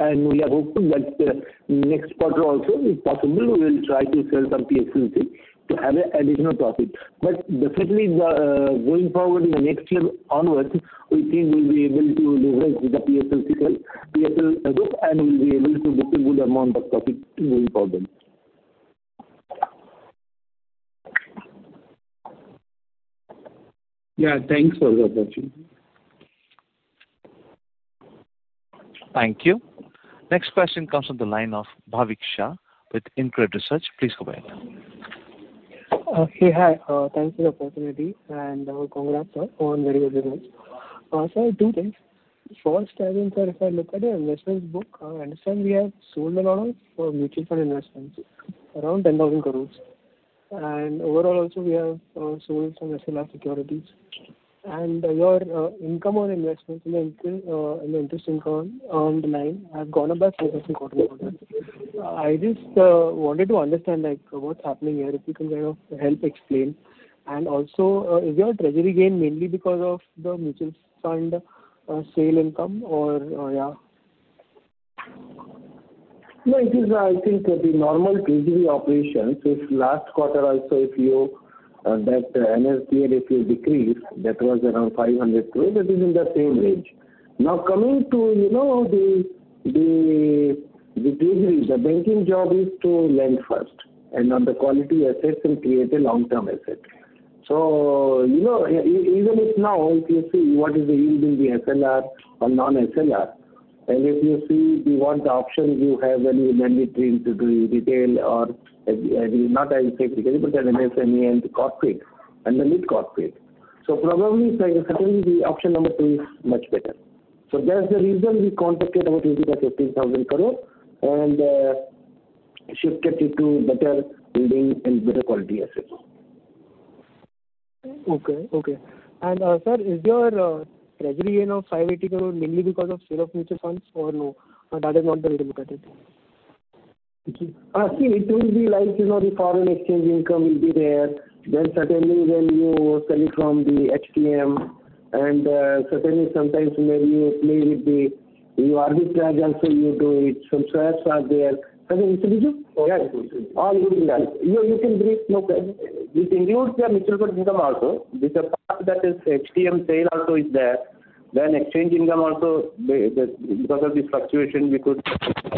and we are hoping that next quarter also, if possible, we will try to sell some PSLC to have an additional profit. But definitely, going forward in the next year onwards, we think we'll be able to leverage the PSLC group, and we'll be able to book a good amount of profit going forward. Yeah, thanks for the opportunity. Thank you. Next question comes from the line of Bhavik Shah with InCred Research. Please go ahead. Hey, hi. Thanks for the opportunity, and congrats on very good results. So, I have two things. First, I think if I look at the investments book, I understand we have sold a lot of mutual fund investments, around 10,000 crore. And overall also, we have sold some SLR securities. And your income on investments in the interest income on the line have gone above the quarterly quarter. I just wanted to understand what's happening here, if you can kind of help explain. And also, is your treasury gain mainly because of the mutual fund sale income or, yeah? No, it is, I think, the normal treasury operations. Last quarter also, if you take that NSDL, if you deduct, that was around 500 crore, that is in the same range. Now coming to the treasury, the banking job is to lend first and foremost on quality assets and create a long-term asset. So, you know, even if now, if you see what is the yield in the SLR or non-SLR, and if you see what the options you have when you lend it into retail or not as a retail, but an MSME and corporate and the mid-corporate. So probably certainly the option number two is much better. So that's the reason we contacted about 15,000 crore and shifted it to better building and better quality assets. Okay, okay. And sir, is your treasury gain of INR 580 crore mainly because of sale of mutual funds or no? That is not the way to look at it. See, it would be like the foreign exchange income will be there. Then certainly when you sell it from the HTM and certainly sometimes when you play with the, you arbitrage also, you do it. Some swaps are there. Certainly, so did you? Yeah, as you can tell. You can brief, no problem. It includes the mutual fund income also. There's a part that is HTM sale also is there. Then exchange income also, because of this fluctuation, we could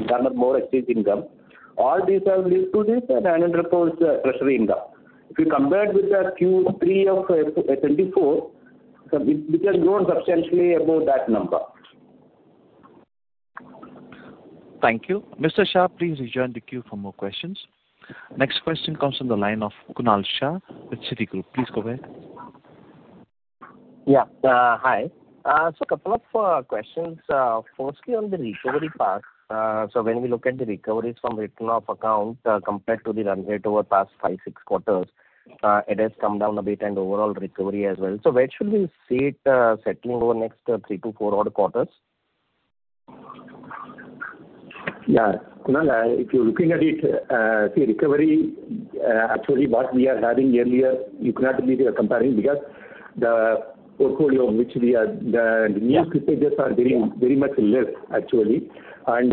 garner more exchange income. All these have led to this and underpin the treasury income. If you compared with the Q3 of 2024, it has grown substantially above that number. Thank you. Mr. Shah, please rejoin the queue for more questions. Next question comes from the line of Kunal Shah with Citigroup. Please go ahead. Yeah, hi. So, a couple of questions. Firstly, on the recovery path. So, when we look at the recoveries from return of account compared to the run rate over past five, six quarters, it has come down a bit and overall recovery as well. So, where should we see it settling over next three to four quarters? Yeah, Kunal, if you're looking at it, see, recovery actually what we are having earlier, you cannot be comparing because the portfolio of which we are, the new slippages are very much less actually. And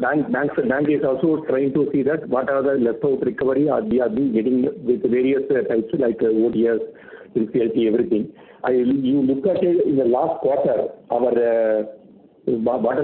bank is also trying to see that what are the leftover recovery we have been getting with various types like OTS, NCLT, everything. You look at it in the last quarter, whatever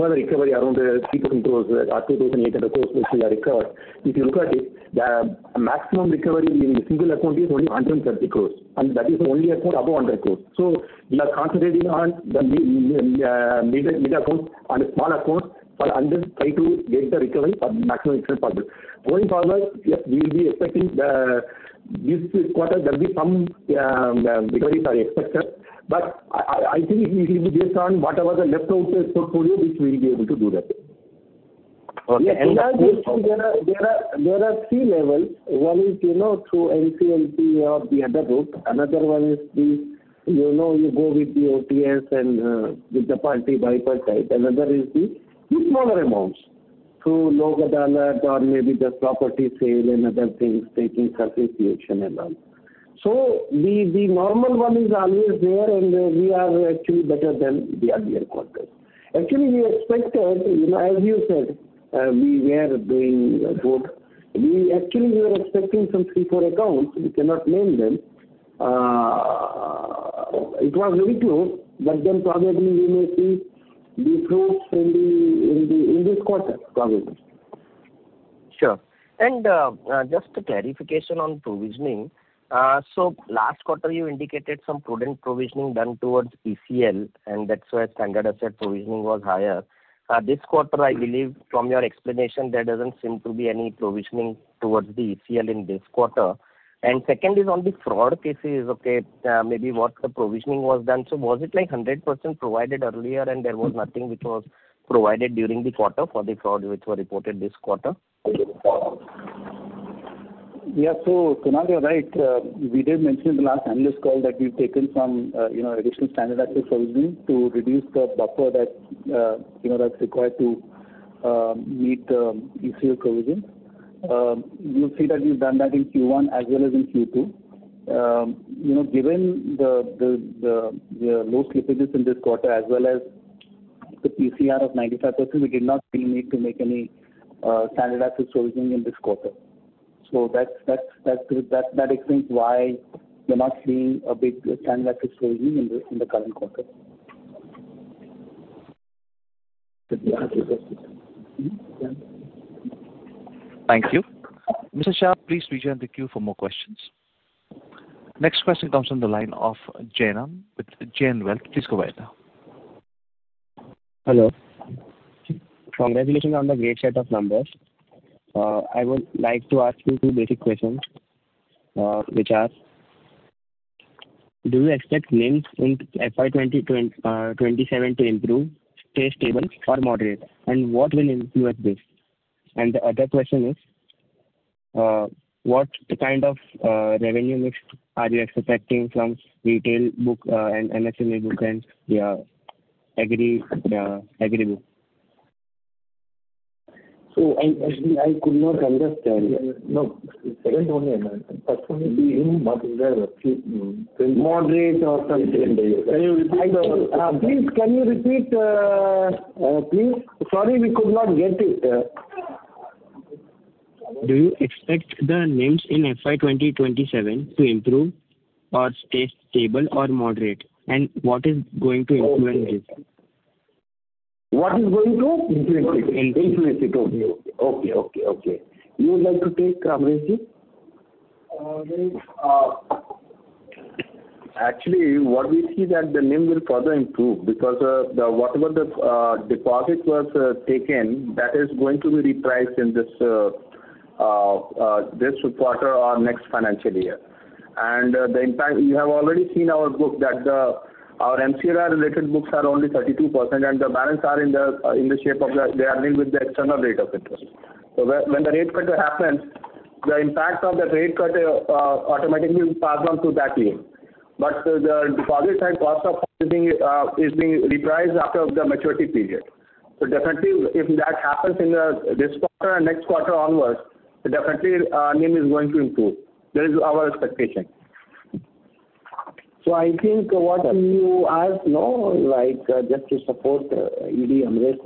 the recovery around INR 300 crore or 2,800 crore which we are recovered, if you look at it, the maximum recovery in the single account is only 130 crore. And that is only above 100 crore. So, we are concentrating on the mid-account and small account for under try to get the recovery for maximum return possible. Going forward, yes, we will be expecting this quarter, there will be some recoveries are expected. But I think it will be based on whatever the leftover portfolio, which we will be able to do that. Yeah, and there are three levels. One is, you know, through NCLT or the other route. Another one is the, you know, you go with the OTS and with the party buyback type. Another is the smaller amounts through Lok Adalats or maybe the property sale and other things, taking substitution and all. So, the normal one is always there and we are actually better than the earlier quarters. Actually, we expected, you know, as you said, we were doing good. We actually were expecting some three, four accounts. We cannot name them. It was very close, but then probably we may see the fruits in this quarter, probably. Sure. And just a clarification on provisioning. So, last quarter, you indicated some prudent provisioning done towards ECL, and that's where standard asset provisioning was higher. This quarter, I believe from your explanation, there doesn't seem to be any provisioning towards the ECL in this quarter. And second is on the fraud cases, okay, maybe what the provisioning was done. So, was it like 100% provided earlier and there was nothing which was provided during the quarter for the fraud which was reported this quarter? Yeah, so Kunal is right. We did mention in the last analyst call that we've taken some additional standard asset provisioning to reduce the buffer that's required to meet the ECL provisions. You'll see that we've done that in Q1 as well as in Q2. You know, given the low slippages in this quarter as well as the PCR of 95%, we did not really need to make any standard asset provisioning in this quarter. So, that explains why we're not seeing a big standard asset provisioning in the current quarter. Thank you. Mr. Shah, please rejoin the queue for more questions. Next question comes from the line of Jairam with Jain Wealth. Please go ahead. Hello. Congratulations on the great set of numbers. I would like to ask you two basic questions, which are, do you expect NIMs in FY 2027 to improve, stay stable, or moderate? And what will influence this? And the other question is, what kind of revenue mix are you expecting from retail book and MSME book and agri book? So, I could not understand. No, second only. First one is the NIM, but there are a few. Sorry, we could not get it. Do you expect the NIM in FY 2027 to improve or stay stable or moderate? And what is going to influence this? Influence it, okay. You would like to take Amresh ji? Actually, what we see is that the NIM will further improve because whatever the deposit was taken, that is going to be repriced in this quarter or next financial year. And the impact, you have already seen our book that our MCLR related books are only 32% and the balance are in the shape of they are linked with the external rate of interest. So when the rate cut happens, the impact of that rate cut automatically will pass on to that year. But the deposit and cost of funds is being repriced after the maturity period. So definitely, if that happens in this quarter and next quarter onwards, definitely NIM is going to improve. That is our expectation. So I think what you asked, no, like just to support ED Amresh,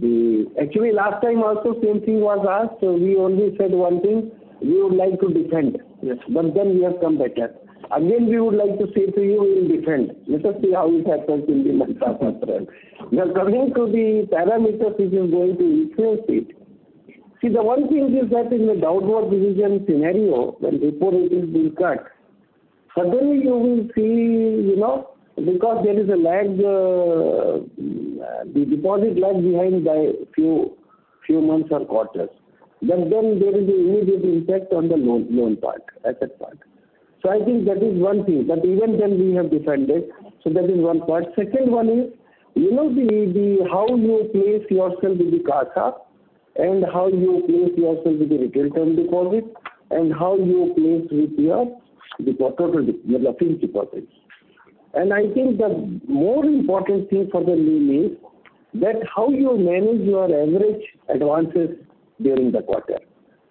the, actually last time also same thing was asked. We only said one thing. We would like to defend. But then we have come back at. Again, we would like to say to you, we will defend. Let us see how it happens in the month after. Now coming to the parameters, which is going to influence it. See, the one thing is that in the downward decision scenario, when before it is being cut, suddenly you will see, you know, because there is a lag, the deposit lag behind by a few months or quarters. But then there is an immediate impact on the loan part, asset part. So I think that is one thing. But even then we have defended. So that is one part. Second one is, you know, the how you place yourself with the CASA and how you place yourself with the retail term deposit and how you place with your total fixed deposits. And I think the more important thing for the NIM is that how you manage your average advances during the quarter.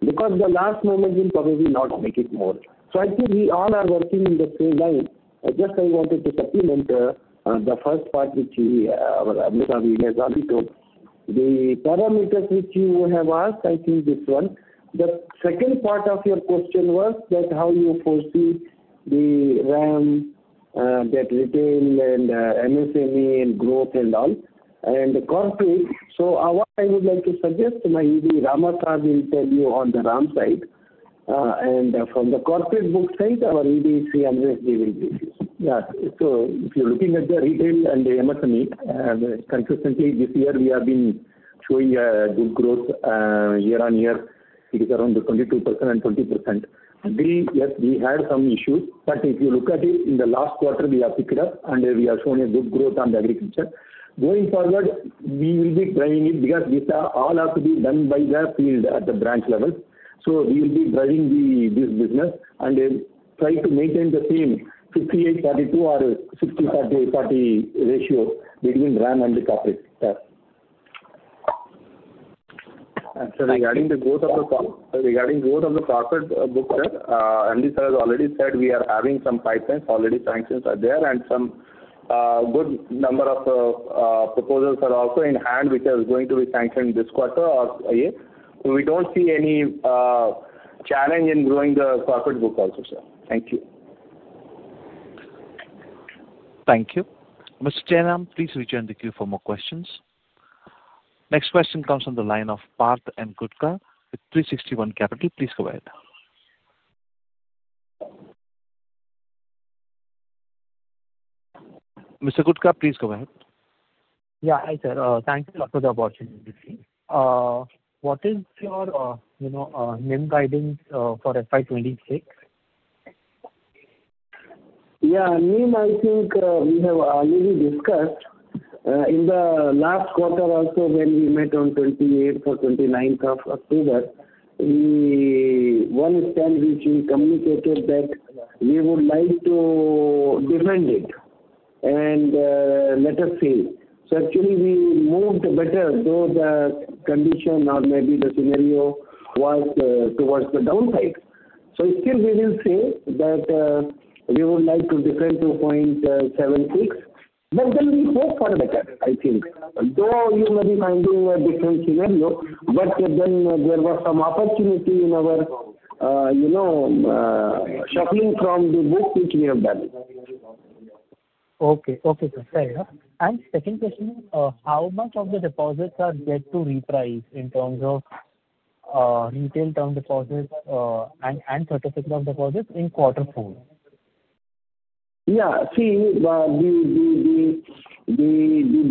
Because the last moment will probably not make it more. So I think we all are working in the same line. Just I wanted to supplement the first part which you have already told. The parameters which you have asked, I think this one. The second part of your question was that how you foresee the RAM, that retail and MSME and growth and all. And corporate, so what I would like to suggest to my ED, Ramasubramanian, will tell you on the RAM side. And from the corporate book side, our ED Amresh, they will give you. So if you're looking at the retail and the MSME, consistently this year we have been showing a good growth year on year. It is around 22% and 20%. Yes, we had some issues, but if you look at it in the last quarter, we have picked it up and we have shown a good growth on the agriculture. Going forward, we will be driving it because these all have to be done by the field at the branch level. So we will be driving this business and try to maintain the same 58-42 or 60-40 ratio between RAM and the corporate. Regarding the growth of the corporate book, sir, and this has already said we are having some pipelines already sanctioned there, and some good number of proposals are also in hand, which are going to be sanctioned this quarter or a year. So we don't see any challenge in growing the corporate book also, sir. Thank you. Thank you. Mr. Jairam, please rejoin the queue for more questions. Next question comes from the line of Parth Gutka with 360 One Capital. Please go ahead. Mr. Gutka, please go ahead. Yeah, hi sir. Thank you for the opportunity. What is your NIM guidance for FY 2026? Yeah, NIM I think we have already discussed in the last quarter also when we met on 28th or 29th of October, one stance which we communicated that we would like to defend it and let us see. So actually we moved better though the condition or maybe the scenario was towards the downside. So still we will say that we would like to defend to 0.76, but then we hope for better, I think. Though you may be finding a different scenario, but then there was some opportunity in our shuffling from the book which we have done. Okay, okay, sir. Fair. And second question, how much of the deposits are set to reprice in terms of retail term deposits and certificates of deposit in quarter four? Yeah, see, the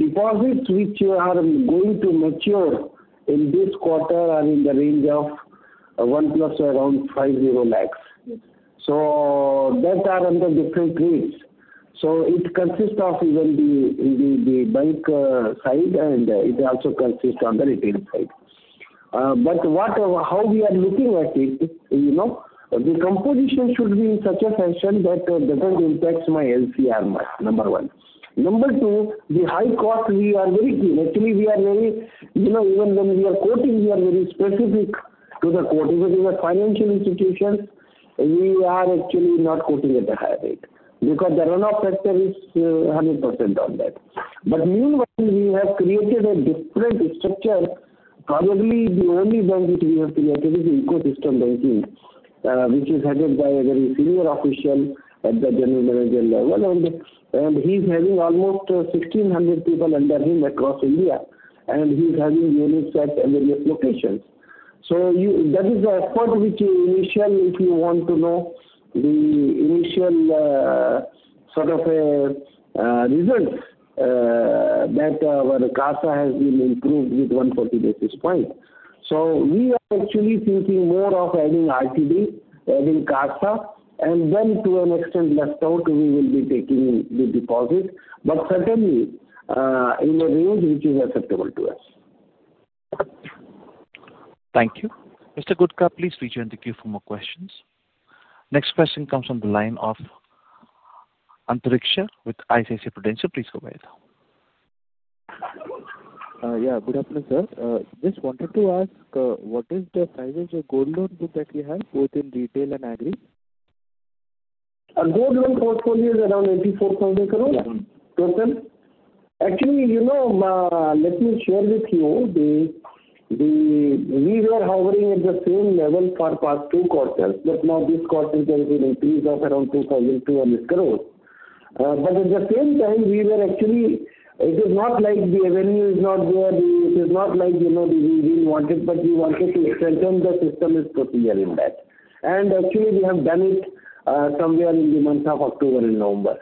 deposits which are going to mature in this quarter are in the range of 1 plus around 50 lakh. So that are under different rates. So it consists of even the bulk side and it also consists of the retail side. But how we are looking at it, you know, the composition should be in such a fashion that it doesn't impact my LCR much, number one. Number two, the high cost we are very keen. Actually, we are very, you know, even when we are quoting, we are very specific to the quote. If it is a financial institution, we are actually not quoting at a higher rate because the runoff factor is 100% on that. But meanwhile, we have created a different structure. Probably the only bank which we have created is the ecosystem banking, which is headed by a very senior official at the general manager level. And he's having almost 1,600 people under him across India. And he's having units at various locations. So that is the effort which initially, if you want to know the initial sort of results, that our CASA has been improved with 140 basis points. So we are actually thinking more of adding RTD, adding CASA, and then to an extent left out, we will be taking the deposit, but certainly in a range which is acceptable to us. Thank you. Mr. Gutka, please rejoin the queue for more questions. Next question comes from the line of Antariksha with ICICI Prudential. Please go ahead. Yeah, good afternoon, sir. Just wanted to ask, what is the size of the gold loan book that we have, both in retail and agri? Our gold loan portfolio is around INR 84,000 crore total. Actually, you know, let me share with you, we were hovering at the same level for past two quarters, but now this quarter there is an increase of around 2,200 crore, but at the same time, we were actually, it is not like the revenue is not there, it is not like we didn't want it, but we wanted to strengthen the systemic procedure in that, and actually, we have done it somewhere in the month of October and November,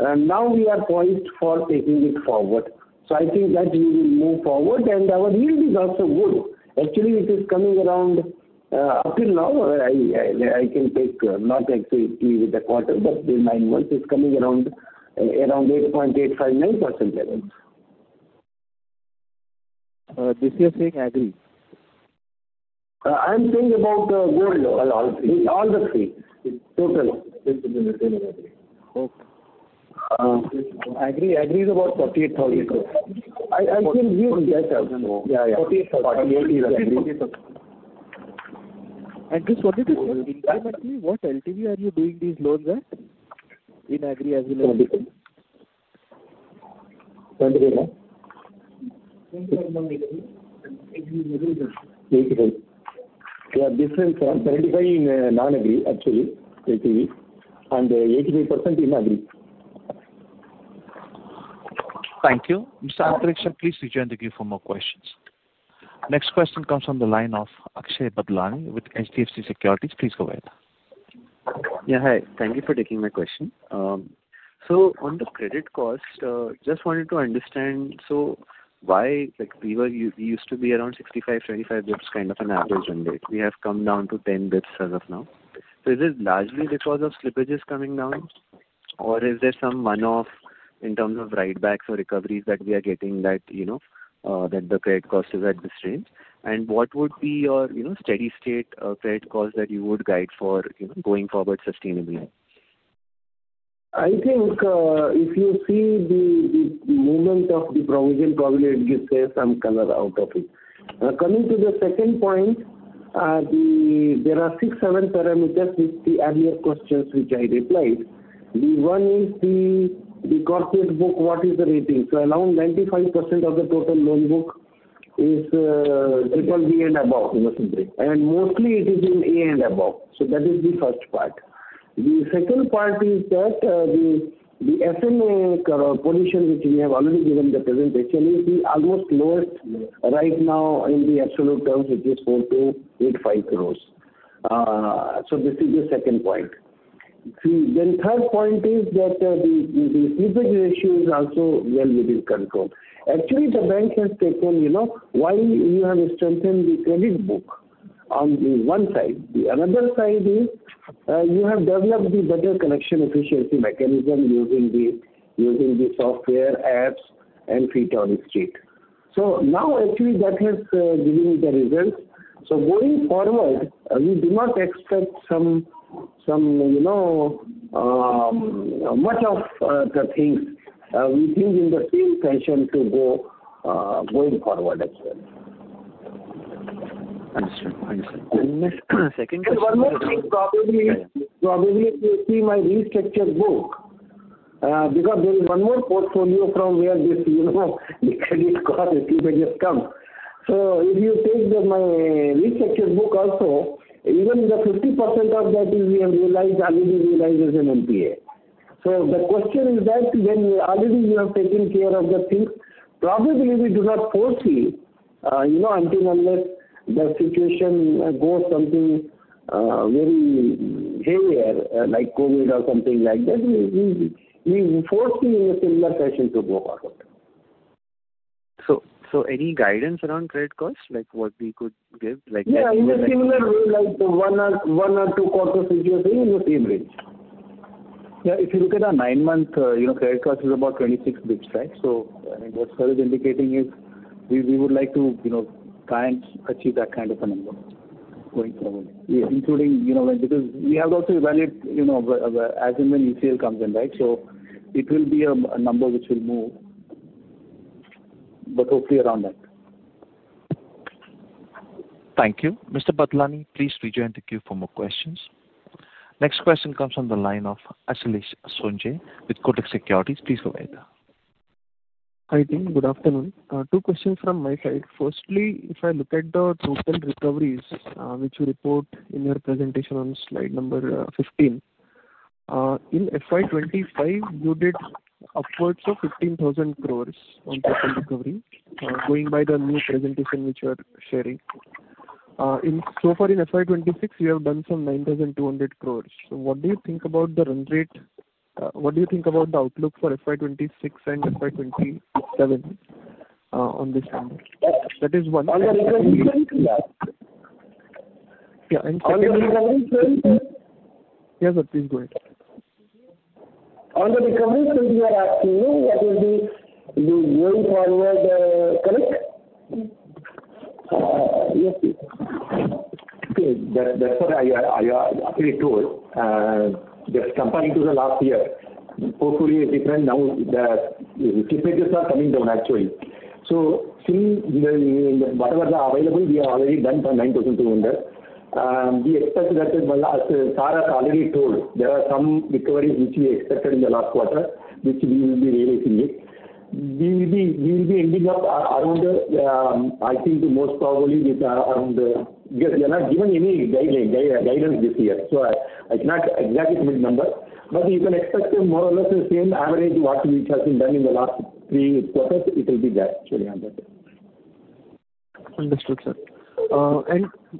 and now we are poised for taking it forward, so I think that we will move forward and our yield is also good. Actually, it is coming around up till now, I can take not exactly with the quarter, but the nine months is coming around 8.859% levels. This year saying agri? I'm saying about gold, all three. All the three. Total. This is in retail and agri. Okay. Agri is about 48,000 crore. I think we'll get there. 48,000. 48 is agri. Agri is 42,000. Incrementally, what LTV are you doing these loans at? In agri as well as? 25,000. 85. 85. We are different from 25 in non-agri, actually, LTV. And 85% in agri. Thank you. Mr. Antariksha, please rejoin the queue for more questions. Next question comes from the line of Akshay Badlani with HDFC Securities. Please go ahead. Yeah, hi. Thank you for taking my question. So on the credit cost, just wanted to understand, so why we used to be around 65-25 basis points kind of an average run rate. We have come down to 10 basis points as of now. So is it largely because of slippages coming down? Or is there some one-off in terms of write-backs or recoveries that we are getting that the credit cost is at this range? And what would be your steady-state credit cost that you would guide for going forward sustainably? I think if you see the movement of the provision, probably it gives some color out of it. Coming to the second point, there are six, seven parameters which the earlier questions which I replied. The one is the corporate book, what is the rating? So around 95% of the total loan book is AAA and above. And mostly it is in A and above. So that is the first part. The second part is that the SMA position which we have already given the presentation is the almost lowest right now in the absolute terms, which is 4,285 crore. So this is the second point. See, then third point is that the slippage ratio is also well within control. Actually, the bank has taken, you know, while you have strengthened the credit book on the one side, the other side is you have developed the better collection efficiency mechanism using the software, apps, and feet on the street. So now actually that has given me the results. So going forward, we do not expect some, you know, much of the things. We think in the same fashion to go forward as well. Understood. And second question. One more thing, probably you see my restructured book. Because there is one more portfolio from where this, you know, the credit cost slippages come. So if you take my restructured book also, even the 50% of that we have already realized as an NPA. So the question is that when already you have taken care of the things, probably we do not foresee, you know, until unless the situation goes something very heavier, like COVID or something like that, we foresee in a similar fashion to go forward. So any guidance around credit cost, like what we could give? Like that. Yeah, in a similar way, like one or two quarters which you're saying in the same range. Yeah, if you look at our nine-month credit cost, it's about 26 basis points, right? So what Sir is indicating is we would like to, you know, try and achieve that kind of a number going forward. Including, you know, because we have also evaluated, you know, as in when ECL comes in, right? So it will be a number which will move. But hopefully around that. Thank you. Mr. Badlani, please rejoin the queue for more questions. Next question comes from the line of Sanjay Singh with Kotak Securities. Please go ahead. Hi, team. Good afternoon. Two questions from my side. Firstly, if I look at the total recoveries which you report in your presentation on slide number 15, in FY 2025, you did upwards of 15,000 crore on total recovery, going by the new presentation which you are sharing. So far in FY 2026, you have done some 9,200 crore. So what do you think about the run rate? What do you think about the outlook for FY 2026 and FY 2027 on this number? That is one thing. Yeah, and secondly. On the recovery period? Yes, sir, please go ahead. On the recovery period, you are asking me what will be the going forward correct? Yes, please. Okay, that's what I actually told. Just comparing to the last year, the portfolio is different now. The slippages are coming down, actually. So seeing whatever is available, we have already done some 9,200. We expect that, as Sar has already told, there are some recoveries which we expected in the last quarter, which we will be realizing it. We will be ending up around, I think most probably with around, because we are not given any guidance this year, so I cannot exactly tell you the number, but you can expect more or less the same average which has been done in the last three quarters. It will be that, actually, on that. Understood, sir.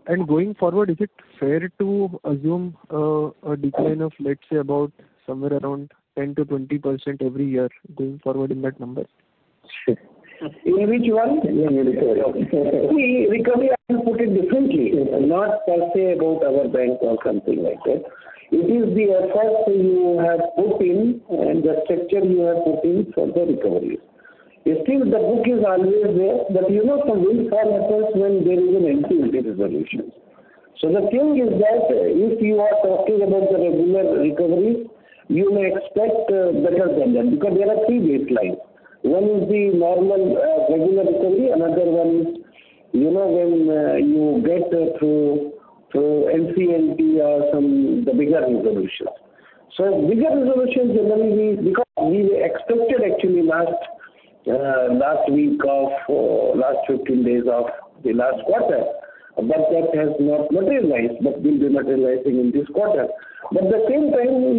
And going forward, is it fair to assume a decline of, let's say, about somewhere around 10%-20% every year going forward in that number? Sure. In which one? Our recovery has been put in differently, not per se about our bank or something like that. It is the effort you have put in and the structure you have put in for the recoveries. Still, the book is always there, but you know some windfall happens when there is an NPA resolution. So the thing is that if you are talking about the regular recoveries, you may expect better than that because there are three baselines. One is the normal regular recovery. Another one is, you know, when you get through NCLT or some of the bigger resolutions. So bigger resolutions generally, because we expected actually last week of last 15 days of the last quarter, but that has not materialized, but will be materializing in this quarter. But at the same time,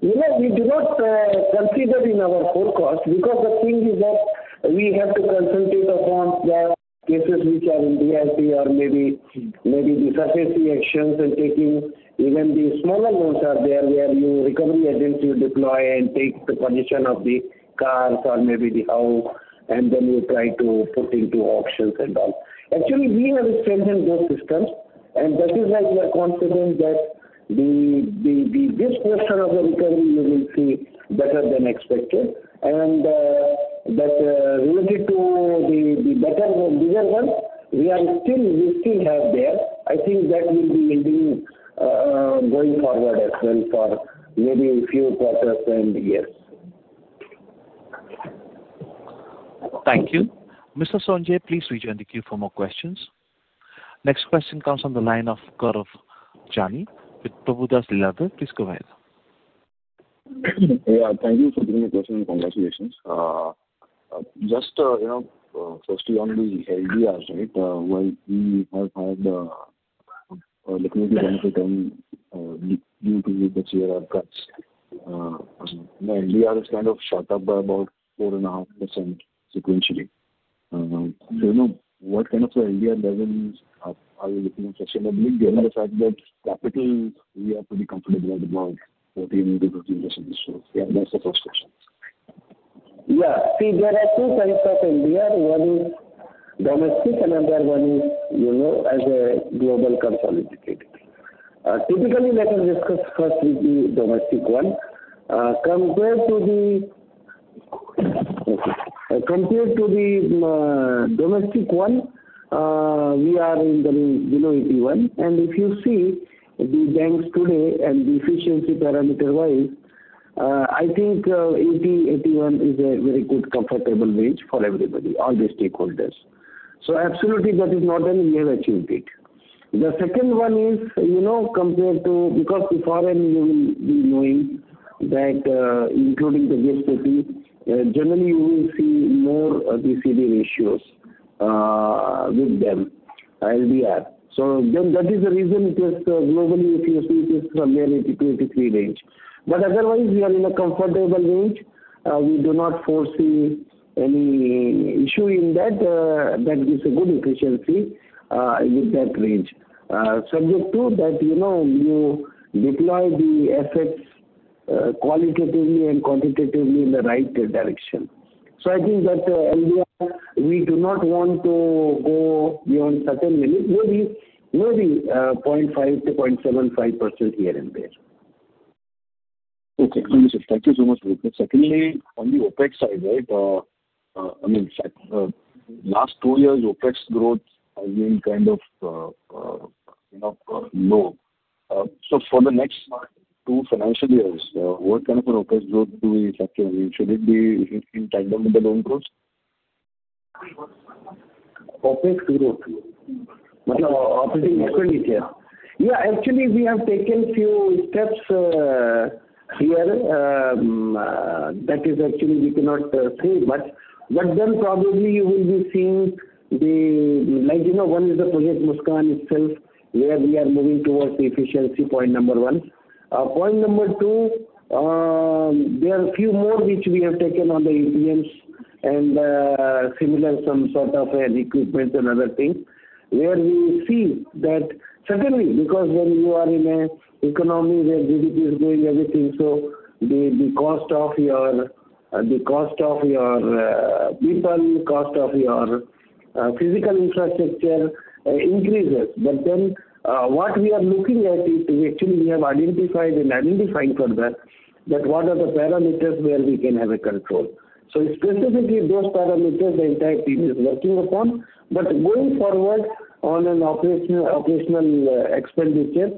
we do not consider in our forecast because the thing is that we have to concentrate upon the cases which are in DRT or maybe the associations and taking even the smaller loans are there where you recovery agents you deploy and take the position of the cars or maybe the house, and then you try to put into auctions and all. Actually, we have strengthened those systems, and that is why we are confident that the biggest question of the recovery you will see better than expected. And that related to the better or bigger one, we still have there. I think that will be ending going forward as well for maybe a few quarters and years. Thank you. Mr. Sanjay, please rejoin the queue for more questions. Next question comes from the line of Gaurav Jani, with Prabhudas Lilladher. Please go ahead. Yeah, thank you for taking the question and congratulations. Just, you know, firstly, on the LDR, right? Well, we have had a looking at the general term due to the CRR cuts. The LDR has kind of shot up by about 4.5% sequentially. So you know what kind of LDR levels are we looking at? I believe given the fact that capital we are pretty comfortable at about 14%-15%. So yeah, that's the first question. Yeah, see, there are two kinds of LDR. One is domestic and another one is, you know, as a global consolidated. Typically, let us discuss first with the domestic one. Compared to the domestic one, we are in the below 81. And if you see the banks today and the efficiency parameter-wise, I think 80-81 is a very good comfortable range for everybody, all the stakeholders. So absolutely that is not a unique achievement. The second one is, you know, compared to, because beforehand you will be knowing that including the GIFT City, generally you will see more of the CD ratios with them, LDR. So then that is the reason it is globally, if you see, it is from there 80%-83% range. But otherwise, we are in a comfortable range. We do not foresee any issue in that. That gives a good efficiency with that range. Subject to that, you know, you deploy the assets qualitatively and quantitatively in the right direction. So I think that LDR, we do not want to go beyond certain limits, maybe 0.5%-0.75% here and there. Okay, understood. Thank you so much. Secondly, on the OpEx side, right? I mean, last two years, OpEx growth has been kind of, you know, low. So for the next two financial years, what kind of an OpEx growth do we factor in? Should it be in tandem with the loan growth? OpEx growth. Yeah, actually, we have taken a few steps here. That is actually we cannot say much. But then probably you will be seeing the, like, you know, one is the Project Muskaan itself, where we are moving towards the efficiency point number one. Point number two, there are a few more which we have taken on the ATMs and similar some sort of equipment and other things, where we see that suddenly, because when you are in an economy where GDP is growing, everything, so the cost of your people, cost of your physical infrastructure increases. But then what we are looking at is actually we have identified and identifying further that what are the parameters where we can have a control. So specifically those parameters, the entire team is working upon. But going forward on an operational expenditure,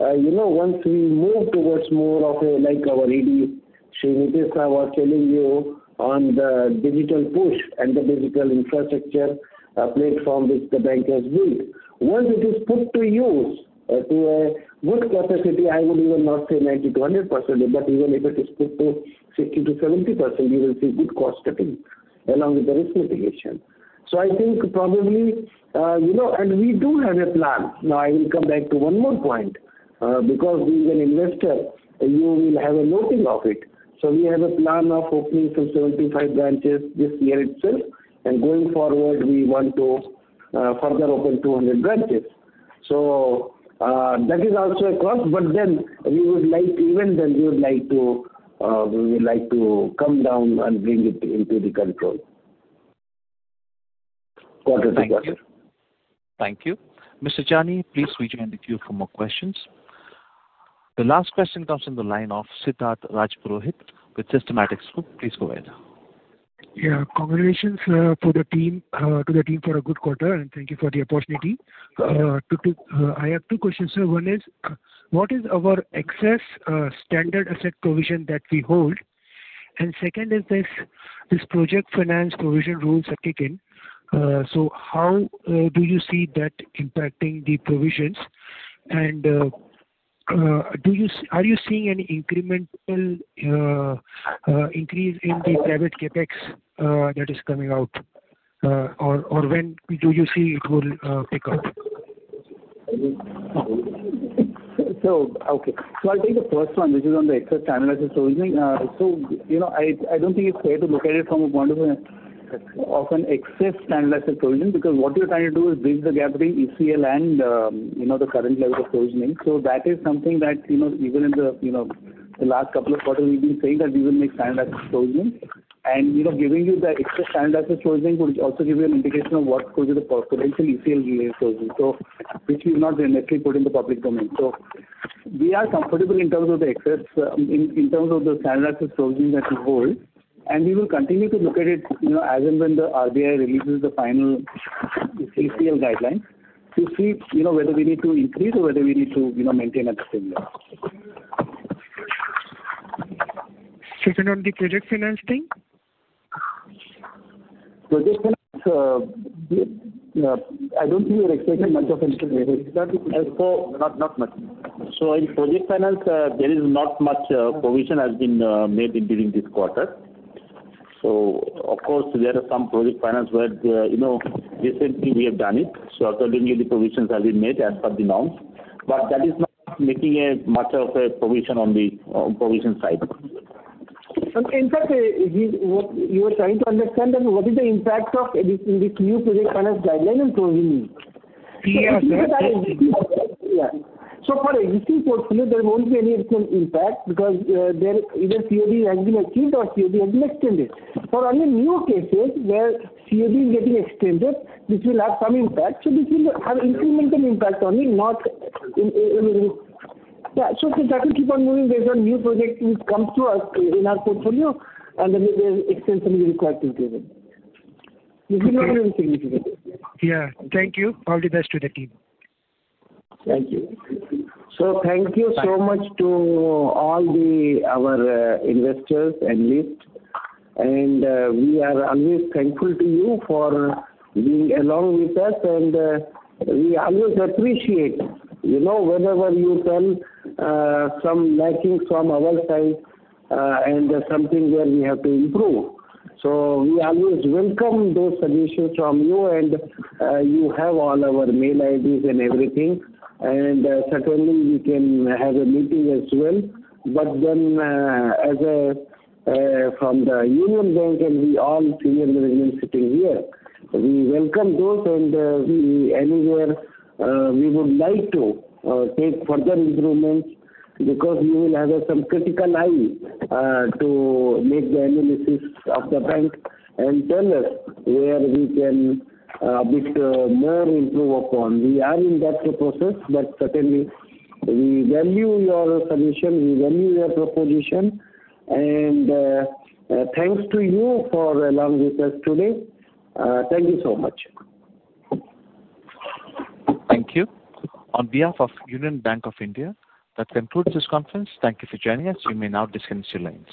you know, once we move towards more of a, like our ED, Sri Nitesh was telling you on the digital push and the digital infrastructure platform which the bank has built, once it is put to use to a good capacity, I would even not say 90%-100%, but even if it is put to 60%-70%, you will see good cost cutting along with the risk mitigation. So I think probably, you know, and we do have a plan. Now, I will come back to one more point. Because being an investor, you will have a notion of it. So we have a plan of opening some 75 branches this year itself. And going forward, we want to further open 200 branches. So that is also a cost. But then we would like, even then, we would like to, we would like to come down and bring it into the control. Quarter-to-quarter. Thank you. Mr. Jani, please rejoin the queue for more questions. The last question comes from the line of Siddharth Rajpurohit with Systematix Group. Please go ahead. Yeah, congratulations to the team, to the team for a good quarter. And thank you for the opportunity. I have two questions, sir. One is, what is our excess standard asset provision that we hold? And second is, this project finance provision rules have taken. So how do you see that impacting the provisions? And are you seeing any incremental increase in the private CapEx that is coming out? Or when do you see it will pick up? So, okay. So I'll take the first one, which is on the excess standard asset provision. So, you know, I don't think it's fair to look at it from a point of view of an excess standard asset provision, because what we are trying to do is bridge the gap between ECL and, you know, the current level of provisioning. So that is something that, you know, even in the, you know, the last couple of quarters, we've been saying that we will make standard asset provisioning. And, you know, giving you the excess standard asset provisioning would also give you an indication of what could be the potential ECL related provisioning, which we have not directly put in the public domain. So we are comfortable in terms of the excess, in terms of the standard asset provisioning that we hold. We will continue to look at it, you know, as and when the RBI releases the final ECL guidelines to see, you know, whether we need to increase or whether we need to, you know, maintain at the same level. Second on the project finance thing? Project finance, I don't think we are expecting much of it. Not much. So in project finance, there is not much provision has been made during this quarter. So, of course, there are some project finance where, you know, recently we have done it. So accordingly, the provisions have been made as per the norms. But that is not making much of a provision on the provision side. In fact, you are trying to understand that what is the impact of this new project finance guideline and provisioning? Yeah, so for the existing portfolio, there won't be any real impact because either COD has been achieved or COD has been extended. For only new cases where COD is getting extended, this will have some impact. So this will have incremental impact only, not. Yeah, so just keep on moving based on new projects which come to us in our portfolio and then the extension will be required to increase it. This will not be very significant. Yeah, thank you. All the best to the team. Thank you. So thank you so much to all our investors and analysts. And we are always thankful to you for being along with us. And we always appreciate, you know, whenever you tell some lacking from our side and something where we have to improve. So we always welcome those suggestions from you. And you have all our mail IDs and everything. And certainly, we can have a meeting as well. But then as a from the Union Bank and we all senior management sitting here, we welcome those and anywhere we would like to take further improvements because we will have some critical eye to make the analysis of the bank and tell us where we can a bit more improve upon. We are in that process, but certainly we value your submission, we value your proposition. And thanks to you for along with us today. Thank you so much. Thank you. On behalf of Union Bank of India, that concludes this conference. Thank you for joining us. You may now disconnect your lines.